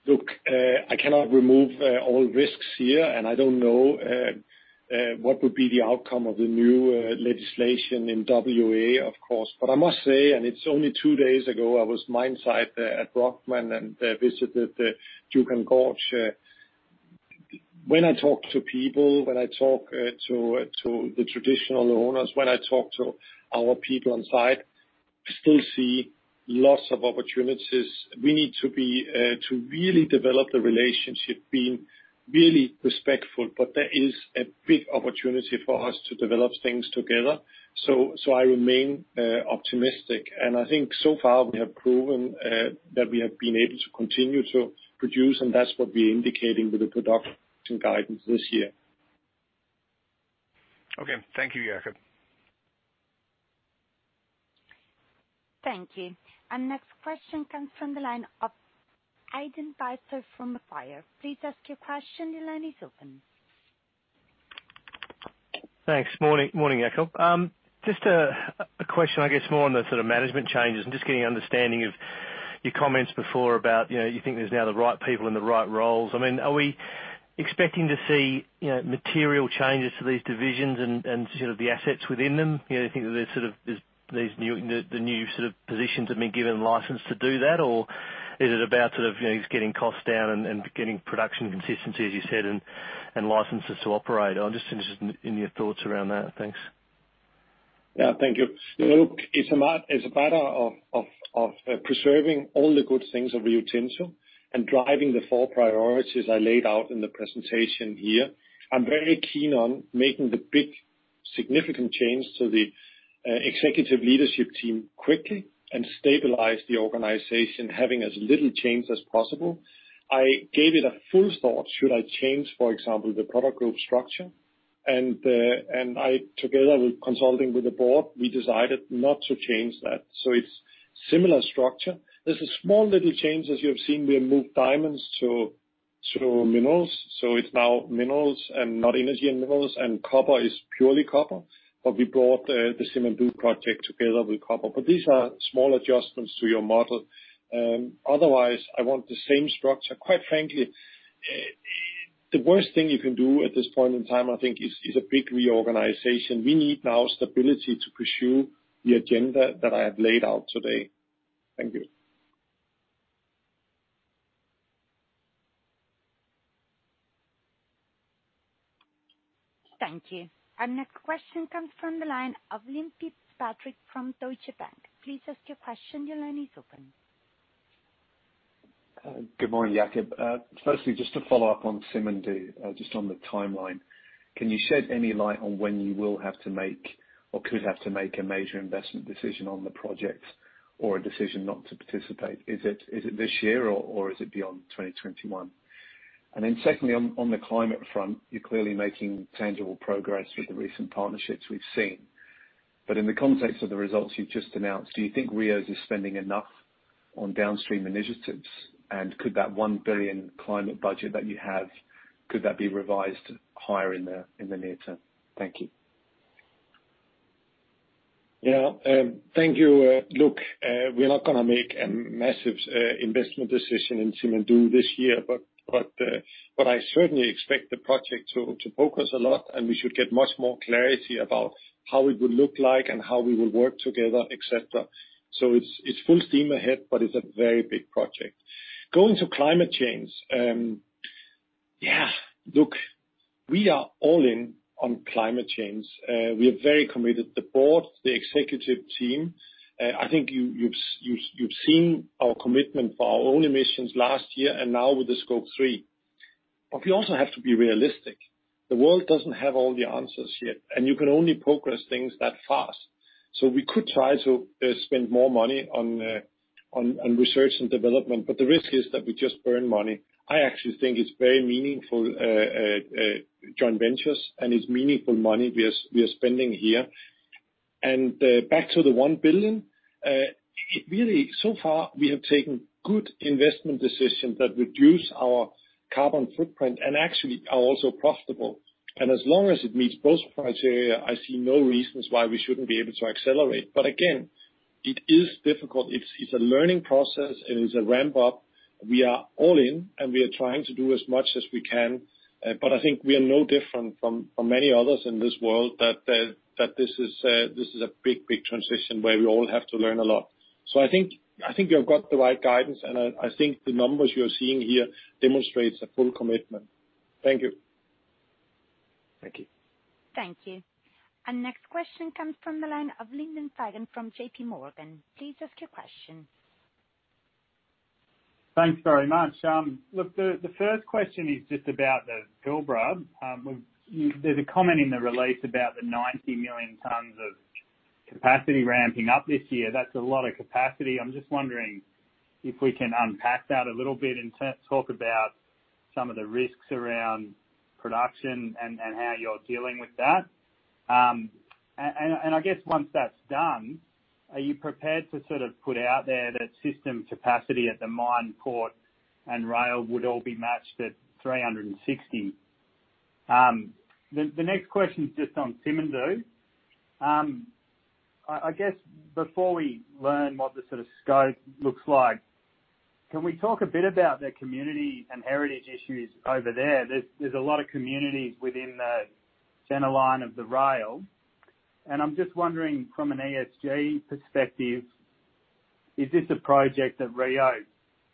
I cannot remove all risks here, and I don't know what would be the outcome of the new legislation in W.A., of course. I must say, and it's only two days ago, I was mine site at Brockman and visited the Juukan Gorge. When I talk to people, when I talk to the traditional owners, when I talk to our people on site, we still see lots of opportunities. We need to really develop the relationship, being really respectful, but there is a big opportunity for us to develop things together. I remain optimistic, and I think so far we have proven that we have been able to continue to produce, and that's what we're indicating with the production guidance this year. Okay. Thank you, Jakob. Thank you. Next question comes from the line of Aidan Baiser from Fire. Please ask your question. Your line is open. Thanks. Morning, Jakob. Just a question, I guess, more on the sort of management changes and just getting an understanding of your comments before about you think there's now the right people in the right roles. Are we expecting to see material changes to these divisions and the assets within them? Do you think the new sort of positions have been given license to do that, or is it about just getting costs down and getting production consistency, as you said, and licenses to operate? I'm just interested in your thoughts around that. Thanks. Thank you. Look, it's a matter of preserving all the good things of Rio Tinto and driving the four priorities I laid out in the presentation here. I'm very keen on making the big, significant change to the executive leadership team quickly and stabilize the organization, having as little change as possible. I gave it a full thought, should I change, for example, the product group structure? I, together with consulting with the Board, we decided not to change that. It's similar structure. There's a small little change, as you have seen. We have moved diamonds to Minerals. It's now Minerals and not Energy & Minerals, and Copper is purely Copper. We brought the Simandou project together with Copper. These are small adjustments to your model. Otherwise, I want the same structure. Quite frankly, the worst thing you can do at this point in time, I think, is a big reorganization. We need now stability to pursue the agenda that I have laid out today. Thank you. Thank you. Our next question comes from the line of Liam Fitzpatrick from Deutsche Bank. Good morning, Jakob. Firstly, just to follow up on Simandou, just on the timeline. Can you shed any light on when you will have to make or could have to make a major investment decision on the project or a decision not to participate? Is it this year or is it beyond 2021? Secondly, on the climate front, you're clearly making tangible progress with the recent partnerships we've seen. In the context of the results you've just announced, do you think Rio is spending enough on downstream initiatives? Could that $1 billion climate budget that you have, could that be revised higher in the near term? Thank you. Thank you. Look, we're not going to make a massive investment decision in Simandou this year, but I certainly expect the project to progress a lot, and we should get much more clarity about how it would look like and how we will work together, et cetera. It's full steam ahead, but it's a very big project. Going to climate change. Look, we are all in on climate change. We are very committed. The board, the executive team, I think you've seen our commitment for our own emissions last year and now with the Scope 3. We also have to be realistic. The world doesn't have all the answers yet, and you can only progress things that fast. We could try to spend more money on research and development, but the risk is that we just burn money. I actually think it's very meaningful joint ventures and it's meaningful money we are spending here. Back to the $1 billion, really, so far, we have taken good investment decisions that reduce our carbon footprint and actually are also profitable. As long as it meets both criteria, I see no reasons why we shouldn't be able to accelerate. Again, it is difficult. It's a learning process, and it's a ramp-up. We are all in, and we are trying to do as much as we can. I think we are no different from many others in this world that this is a big, big transition where we all have to learn a lot. I think you've got the right guidance, and I think the numbers you're seeing here demonstrates a full commitment. Thank you. Thank you. Thank you. Our next question comes from the line of Lyndon Fagan from JPMorgan. Please ask your question. Thanks very much. The first question is just about the Pilbara. There's a comment in the release about the 90 million tonnes of capacity ramping up this year. That's a lot of capacity. I'm just wondering if we can unpack that a little bit and talk about some of the risks around production and how you're dealing with that. I guess once that's done, are you prepared to sort of put out there that system capacity at the mine port and rail would all be matched at 360? The next question is just on Simandou. I guess before we learn what the sort of scope looks like, can we talk a bit about the community and heritage issues over there? There's a lot of communities within the center line of the rail, and I'm just wondering from an ESG perspective? Is this a project that Rio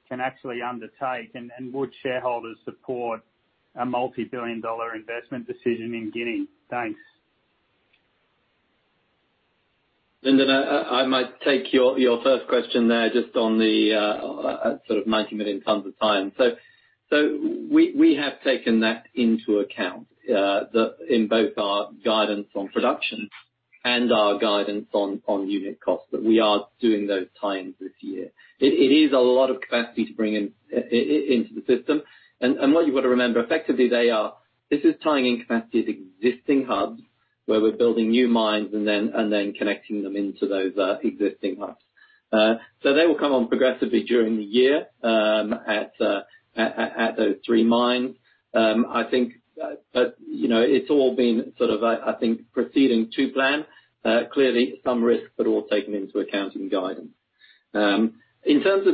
can actually undertake, and would shareholders support a multi-billion dollar investment decision in Guinea? Thanks. Lyndon, I might take your first question there just on the 90 million tonnes of iron. We have taken that into account in both our guidance on production and our guidance on unit costs. We are doing those ties this year. It is a lot of capacity to bring into the system. What you've got to remember, effectively, this is tying in capacity at existing hubs where we're building new mines and then connecting them into those existing hubs. They will come on progressively during the year at those three mines. I think it's all been proceeding to plan. Clearly some risks, all taken into account in guidance. In terms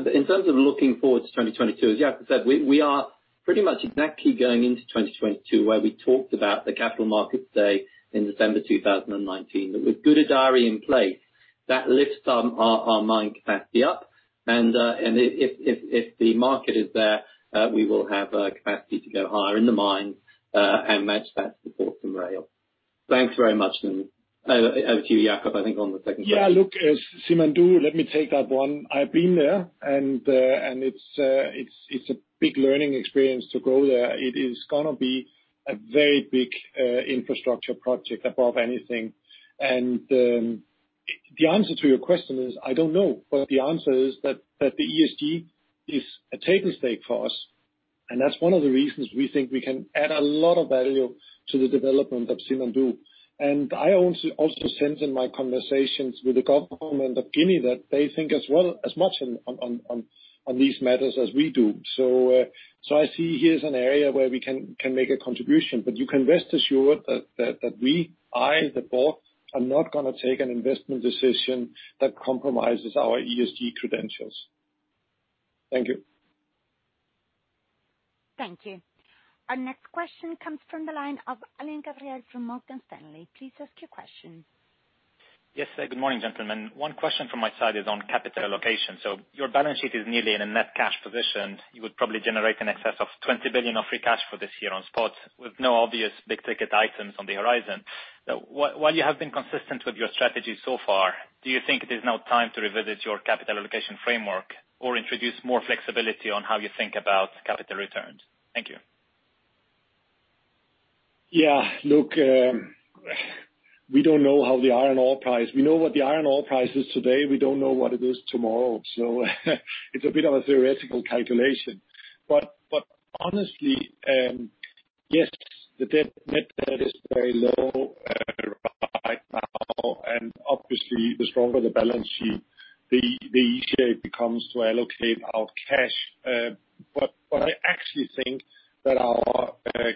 of looking forward to 2022, as Jakob said, we are pretty much exactly going into 2022 where we talked about the Capital Markets Day in December 2019. That with Gudai-Darri in place, that lifts our mine capacity up and if the market is there, we will have capacity to go higher in the mines and match that support from rail. Thanks very much, Lyndon. Over to you, Jakob, I think on the second question. Yeah. Look, Simandou, let me take that one. I've been there and it's a big learning experience to go there. It is going to be a very big infrastructure project above anything. The answer to your question is, I don't know. The answer is that the ESG is a table stake for us, and that's one of the reasons we think we can add a lot of value to the development of Simandou. I also sense in my conversations with the government of Guinea that they think as much on these matters as we do. I see here's an area where we can make a contribution, but you can rest assured that we, I, the board, are not going to take an investment decision that compromises our ESG credentials. Thank you. Thank you. Our next question comes from the line of Alain Gabriel from Morgan Stanley. Please ask your question. Yes. Good morning, gentlemen. One question from my side is on capital allocation. Your balance sheet is nearly in a net cash position. You would probably generate in excess of $20 billion of free cash for this year on spot, with no obvious big-ticket items on the horizon. While you have been consistent with your strategy so far, do you think it is now time to revisit your capital allocation framework or introduce more flexibility on how you think about capital returns? Thank you. Yeah. Look, we don't know how the iron ore price. We know what the iron ore price is today, we don't know what it is tomorrow. So it's a bit of a theoretical calculation. Honestly, yes. The net debt is very low right now, and obviously the stronger the balance sheet, the easier it becomes to allocate our cash. I actually think that our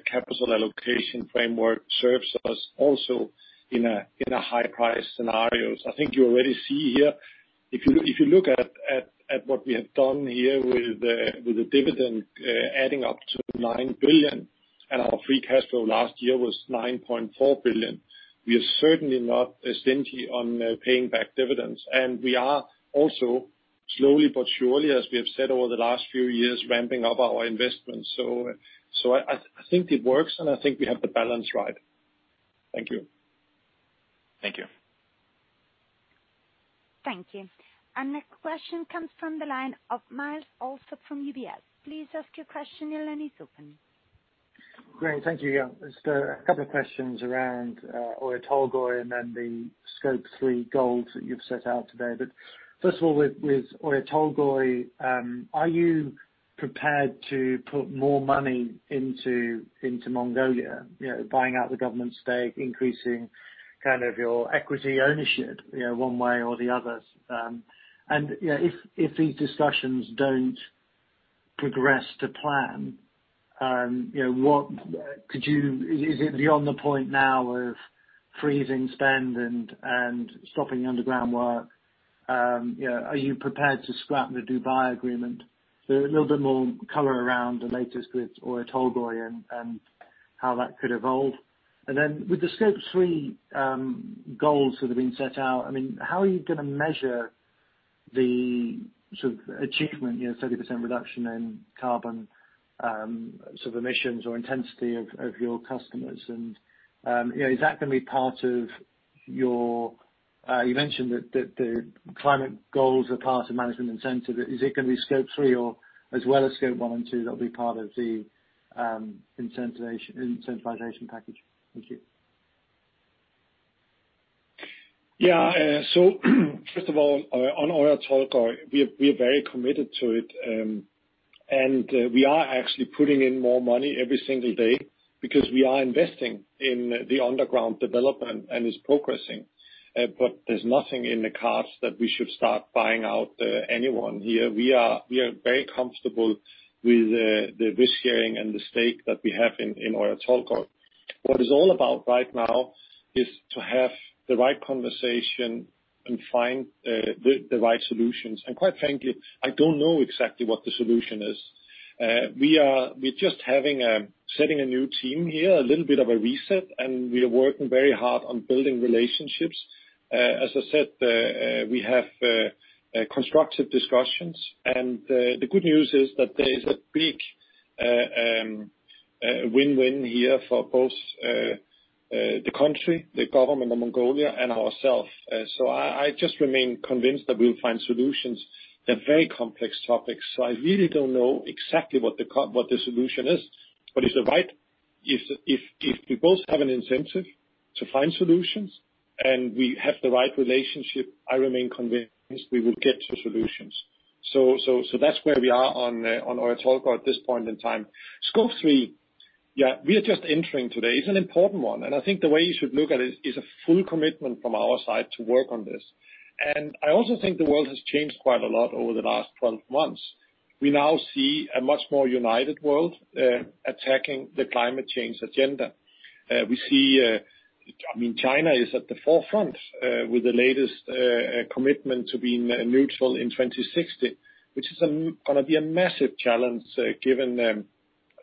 capital allocation framework serves us also in high-price scenarios. I think you already see here, if you look at what we have done here with the dividend adding up to $9 billion and our free cash flow last year was $9.4 billion, we are certainly not stingy on paying back dividends. We are also slowly but surely, as we have said over the last few years, ramping up our investments. I think it works, and I think we have the balance right. Thank you. Thank you. Thank you. Our next question comes from the line of Myles Allsop from UBS. Please ask your question, your line is open. Great. Thank you. Just a couple of questions around Oyu Tolgoi and then the Scope 3 goals that you've set out today. First of all, with Oyu Tolgoi, are you prepared to put more money into Mongolia, buying out the government stake, increasing your equity ownership one way or the other? If these discussions don't progress to plan, is it beyond the point now of freezing spend and stopping underground work? Are you prepared to scrap the Dubai Agreement? A little bit more color around the latest with Oyu Tolgoi and how that could evolve. With the Scope 3 goals that have been set out, how are you going to measure the achievement, 30% reduction in carbon emissions or intensity of your customers? Is that going to be part of? You mentioned that the climate goals are part of management incentive. Is it going to be Scope 3 or as well as Scope 1 and 2 that'll be part of the incentivization package? Thank you. Yeah. First of all, on Oyu Tolgoi, we are very committed to it. We are actually putting in more money every single day because we are investing in the underground development and it's progressing. There's nothing in the cards that we should start buying out anyone here. We are very comfortable with the risk-sharing and the stake that we have in Oyu Tolgoi. What it's all about right now is to have the right conversation and find the right solutions. Quite frankly, I don't know exactly what the solution is. We are just setting a new team here, a little bit of a reset, and we are working very hard on building relationships. As I said, we have constructive discussions and the good news is that there is a big win-win here for both the country, the government of Mongolia, and ourselves. I just remain convinced that we'll find solutions. They're very complex topics. I really don't know exactly what the solution is. If we both have an incentive to find solutions and we have the right relationship, I remain convinced we will get to solutions. That's where we are on Oyu Tolgoi at this point in time. Scope 3. We are just entering today. It's an important one, and I think the way you should look at it is a full commitment from our side to work on this. I also think the world has changed quite a lot over the last 12 months. We now see a much more united world attacking the climate change agenda. China is at the forefront with the latest commitment to being neutral in 2060, which is going to be a massive challenge given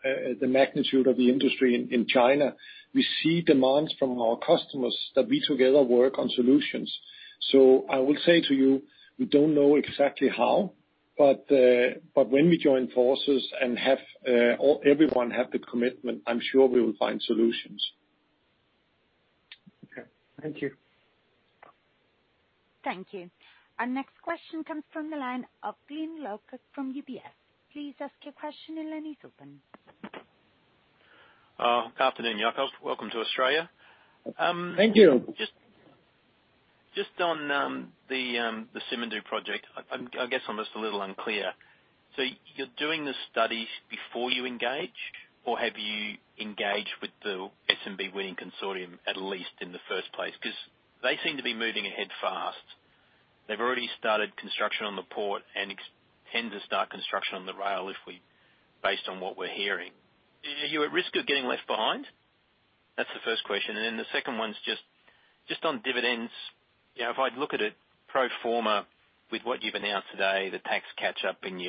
the magnitude of the industry in China. We see demands from our customers that we together work on solutions. I will say to you, we don't know exactly how, but when we join forces and everyone have the commitment, I'm sure we will find solutions. Okay. Thank you. Thank you. Our next question comes from the line of Glyn Lawcock from UBS. Please ask your question, your line is open. Good afternoon, Jakob. Welcome to Australia. Thank you. Just on the Simandou project. I guess I'm just a little unclear. You're doing the studies before you engage, or have you engaged with the SMB-Winning Consortium, at least in the first place? They seem to be moving ahead fast. They've already started construction on the port and intend to start construction on the rail, based on what we're hearing. Are you at risk of getting left behind? That's the first question. The second one's just on dividends. If I'd look at it pro forma with what you've announced today, the tax catch-up and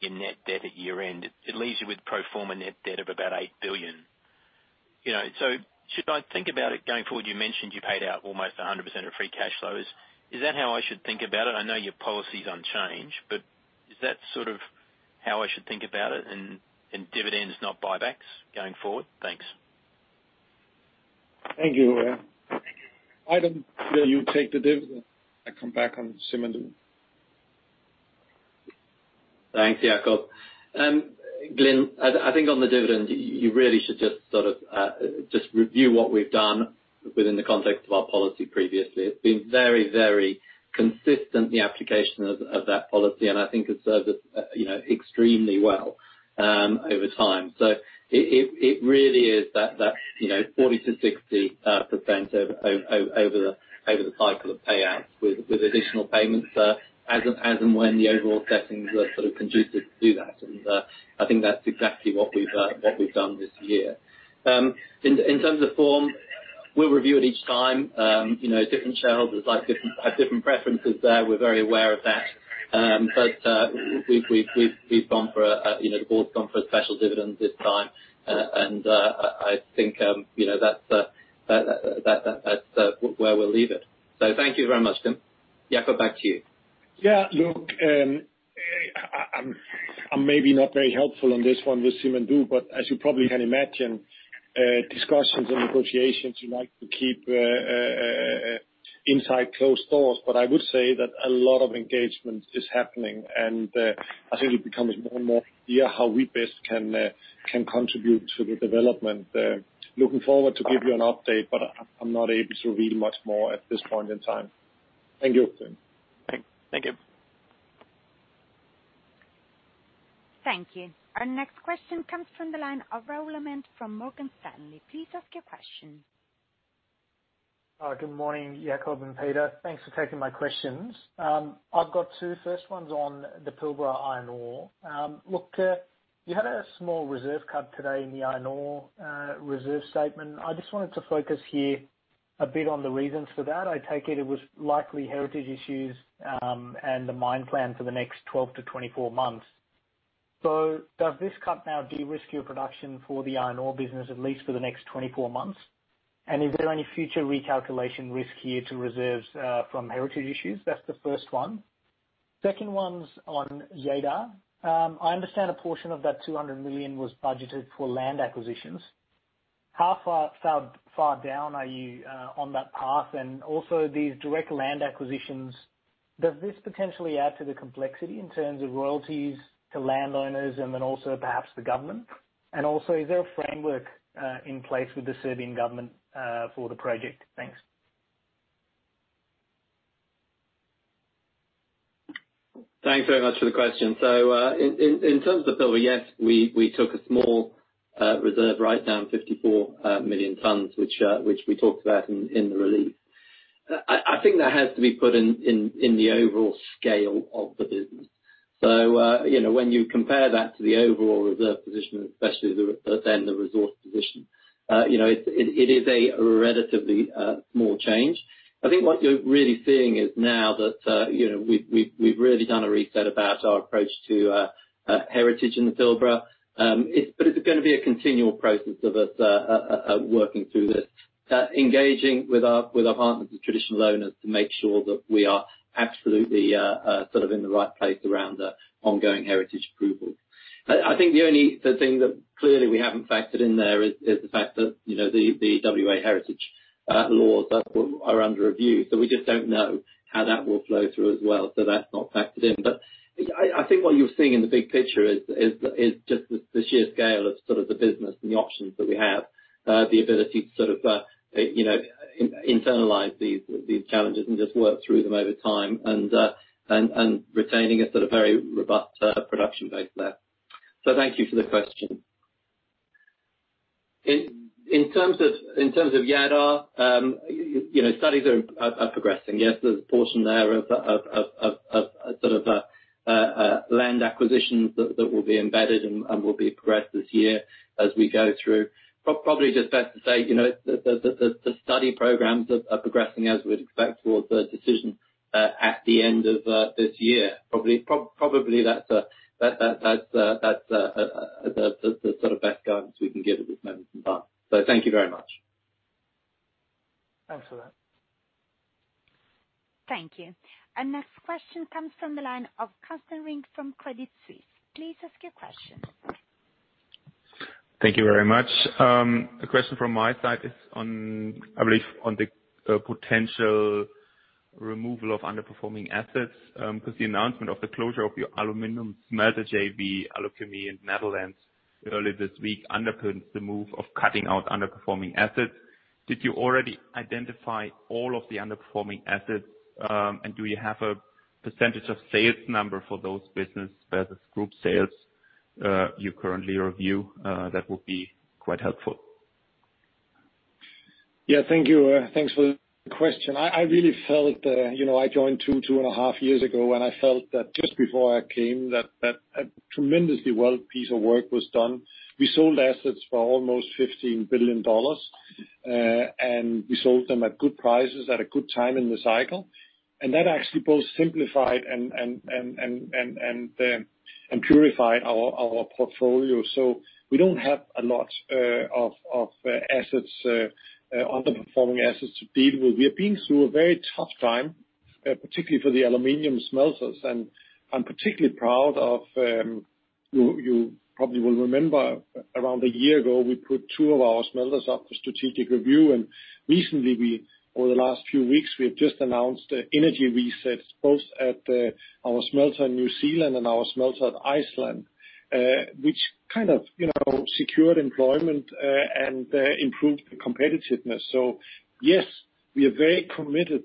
your net debt at year-end, it leaves you with pro forma net debt of about $8 billion. Should I think about it going forward, you mentioned you paid out almost 100% of free cash flows. Is that how I should think about it? I know your policy is unchanged, but is that sort of how I should think about it and dividends, not buybacks, going forward? Thanks. Thank you. Adam, will you take the dividend and come back on Simandou? Thanks, Jakob. Glyn, I think on the dividend, you really should just review what we've done within the context of our policy previously. It's been very, very consistent, the application of that policy, and I think it serves us extremely well over time. It really is that 40%-60% over the cycle of payouts with additional payments as and when the overall settings are sort of conducive to do that. I think that's exactly what we've done this year. In terms of form, we'll review it each time. Different shareholders have different preferences there. We're very aware of that. The board's gone for a special dividend this time, and I think that's where we'll leave it. Thank you very much, Glyn. Jakob, back to you. Look, I'm maybe not very helpful on this one with Simandou, as you probably can imagine, discussions and negotiations, you like to keep inside closed doors. I would say that a lot of engagement is happening, I think it becomes more and more clear how we best can contribute to the development. Looking forward to give you an update, I'm not able to reveal much more at this point in time. Thank you, Glyn. Thank you. Thank you. Our next question comes from the line of Rahul Anand from Morgan Stanley. Please ask your question. Good morning, Jakob and Peter. Thanks for taking my questions. I've got two. First one's on the Pilbara iron ore. Look, you had a small reserve cut today in the iron ore reserve statement. I just wanted to focus here a bit on the reasons for that. I take it it was likely heritage issues, and the mine plan for the next 12 to 24 months. Does this cut now de-risk your production for the iron ore business, at least for the next 24 months? Is there any future recalculation risk here to reserves from heritage issues? That's the first one. Second one's on Jadar. I understand a portion of that $200 million was budgeted for land acquisitions. How far down are you on that path? Also these direct land acquisitions, does this potentially add to the complexity in terms of royalties to landowners and then also perhaps the government? Also, is there a framework in place with the Serbian government for the project? Thanks. Thanks very much for the question. In terms of the Pilbara, yes, we took a small reserve write-down 54 million tons, which we talked about in the release. I think that has to be put in the overall scale of the business. When you compare that to the overall reserve position, especially then the resource position, it is a relatively small change. I think what you're really seeing is now that we've really done a reset about our approach to heritage in the Pilbara. It's going to be a continual process of us working through this, engaging with our partners and traditional owners to make sure that we are absolutely in the right place around the ongoing heritage approvals. I think the only thing that clearly we haven't factored in there is the fact that the WA heritage laws are under review. We just don't know how that will flow through as well. That's not factored in. I think what you're seeing in the big picture is just the sheer scale of the business and the options that we have. The ability to internalize these challenges and just work through them over time and retaining a sort of very robust production base there. Thank you for the question. In terms of Jadar, studies are progressing. Yes, there's a portion there of land acquisitions that will be embedded and will be progressed this year as we go through. Probably just best to say, the study programs are progressing as we'd expect towards the decision at the end of this year. Probably that's the best guidance we can give at this moment in time. Thank you very much. Thanks for that. Thank you. Our next question comes from the line of Carsten Riek from Credit Suisse. Please ask your question. Thank you very much. The question from my side is on, I believe, on the potential removal of underperforming assets. The announcement of the closure of your aluminum smelter JV, Aldel in Netherlands earlier this week underpins the move of cutting out underperforming assets. Did you already identify all of the underperforming assets? Do you have a percentage of sales number for those business versus group sales you currently review? That would be quite helpful. Yeah, thank you. Thanks for the question. I joined two and a half years ago, and I felt that just before I came, that a tremendously well piece of work was done. We sold assets for almost $15 billion. We sold them at good prices at a good time in the cycle. That actually both simplified and purified our portfolio. We don't have a lot of underperforming assets to deal with. We are being through a very tough time, particularly for the aluminum smelters, and I'm particularly proud of, you probably will remember around a year ago, we put two of our smelters up for strategic review. Recently, over the last few weeks, we have just announced energy resets both at our smelter in New Zealand and our smelter at Iceland, which kind of secured employment and improved the competitiveness. Yes, we are very committed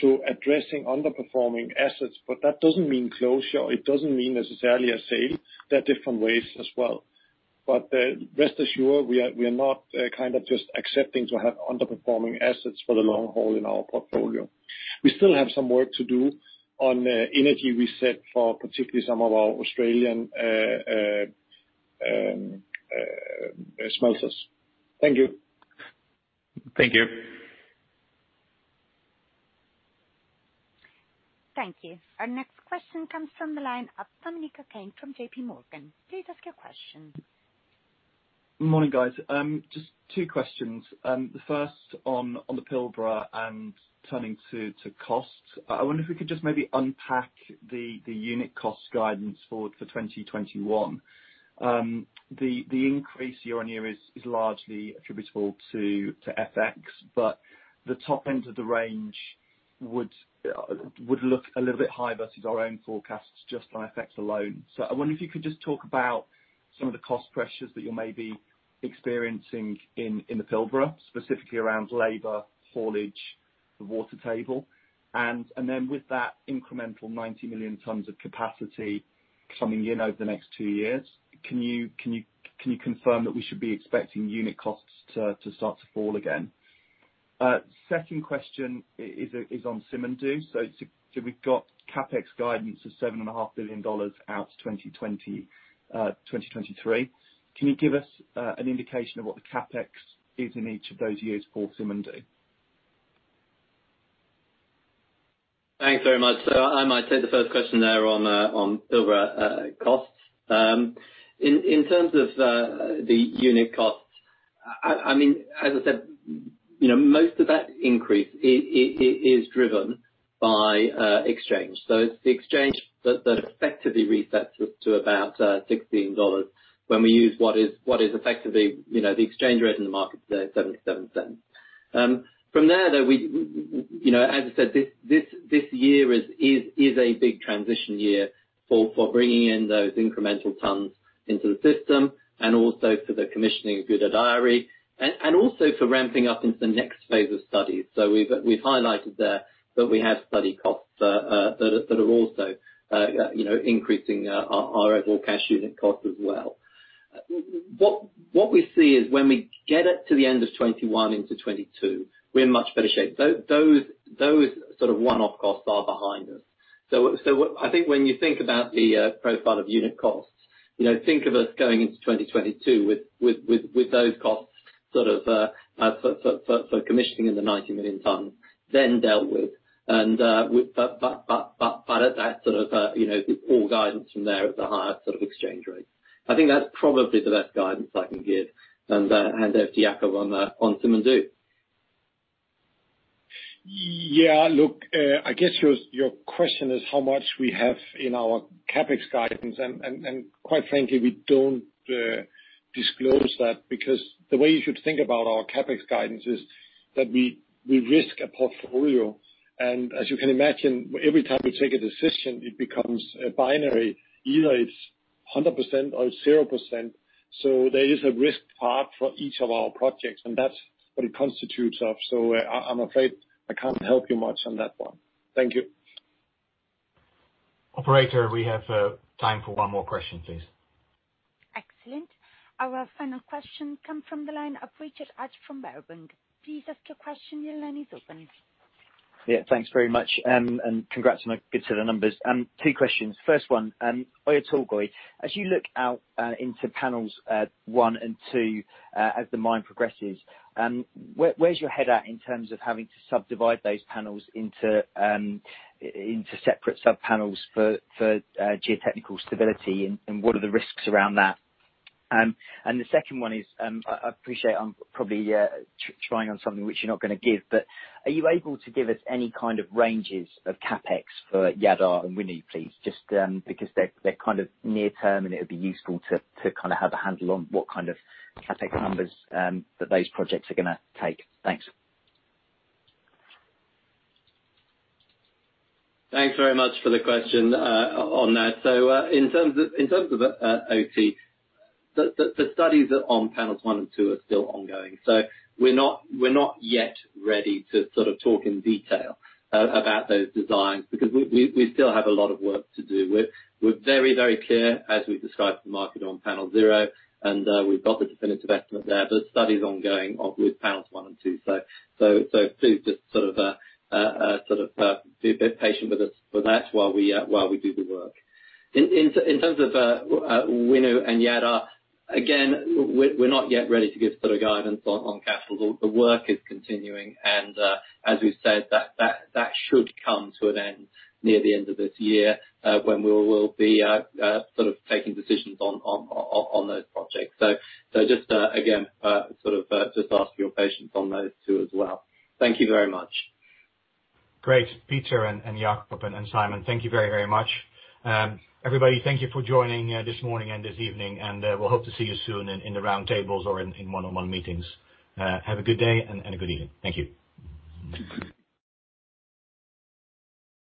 to addressing underperforming assets, but that doesn't mean closure. It doesn't mean necessarily a sale. There are different ways as well. Rest assured, we are not just accepting to have underperforming assets for the long haul in our portfolio. We still have some work to do on energy reset for particularly some of our Australian smelters. Thank you. Thank you. Thank you. Our next question comes from the line of Dominic O'Kane from JPMorgan. Please ask your question. Morning, guys. Just two questions. The first on the Pilbara and turning to cost. I wonder if we could just maybe unpack the unit cost guidance forward for 2021. The increase year-over-year is largely attributable to FX, but the top end of the range would look a little bit high versus our own forecasts just on FX alone. I wonder if you could just talk about some of the cost pressures that you may be experiencing in the Pilbara, specifically around labor, haulage, the water table. With that incremental 90 million tons of capacity coming in over the next two years, can you confirm that we should be expecting unit costs to start to fall again? Second question is on Simandou. We've got CapEx guidance of $7.5 billion out to 2023. Can you give us an indication of what the CapEx is in each of those years for Simandou? Thanks very much. I might take the first question there on Pilbara costs. In terms of the unit costs, as I said, most of that increase is driven by exchange. It's the exchange that effectively resets to about $16 when we use what is effectively the exchange rate in the market today, $0.77. From there, though, as I said, this year is a big transition year for bringing in those incremental tons into the system and also for the commissioning of Gudai-Darri and also for ramping up into the next phase of studies. We've highlighted there that we have study costs that are also increasing our overall cash unit cost as well. What we see is when we get it to the end of 2021 into 2022, we're in much better shape. Those one-off costs are behind us. I think when you think about the profile of unit costs, think of us going into 2022 with those costs for commissioning in the 90 million tonnes, then dealt with. All guidance from there at the higher exchange rates. I think that's probably the best guidance I can give. Hand over to Jakob on Simandou. Yeah. Look, I guess your question is how much we have in our CapEx guidance. Quite frankly, we don't disclose that because the way you should think about our CapEx guidance is that we risk a portfolio. As you can imagine, every time we take a decision, it becomes binary. Either it's 100% or 0%. There is a risk part for each of our projects, and that's what it constitutes of. I'm afraid I can't help you much on that one. Thank you. Operator, we have time for one more question, please. Excellent. Our final question comes from the line of Richard Hatch from Berenberg. Please ask your question. Your line is open. Yeah. Thanks very much. Congrats on the good set of numbers. Two questions. First one, Oyu Tolgoi, as you look out into Panel 1 and 2 as the mine progresses, where's your head at in terms of having to subdivide those panels into separate sub-panels for geotechnical stability, what are the risks around that? The second one is, I appreciate I'm probably trying on something which you're not going to give, are you able to give us any kind of ranges of CapEx for Jadar and Winu, please? Just because they're near-term, it would be useful to have a handle on what kind of CapEx numbers that those projects are going to take. Thanks. Thanks very much for the question on that. In terms of OT, the studies on Panel 1 and 2 are still ongoing. We're not yet ready to talk in detail about those designs because we still have a lot of work to do. We're very clear as we've described the market on Panel 0, and we've got the definitive estimate there. The study is ongoing with Panel 1 and 2. Please just be a bit patient with us for that while we do the work. In terms of Winu and Jadar, again, we're not yet ready to give guidance on capital. The work is continuing and as we've said, that should come to an end near the end of this year, when we will be taking decisions on those projects. Just again, just ask for your patience on those two as well. Thank you very much. Great. Peter and Jakob and Simon, thank you very much. Everybody, thank you for joining this morning and this evening, and we'll hope to see you soon in the roundtables or in one-on-one meetings. Have a good day and a good evening. Thank you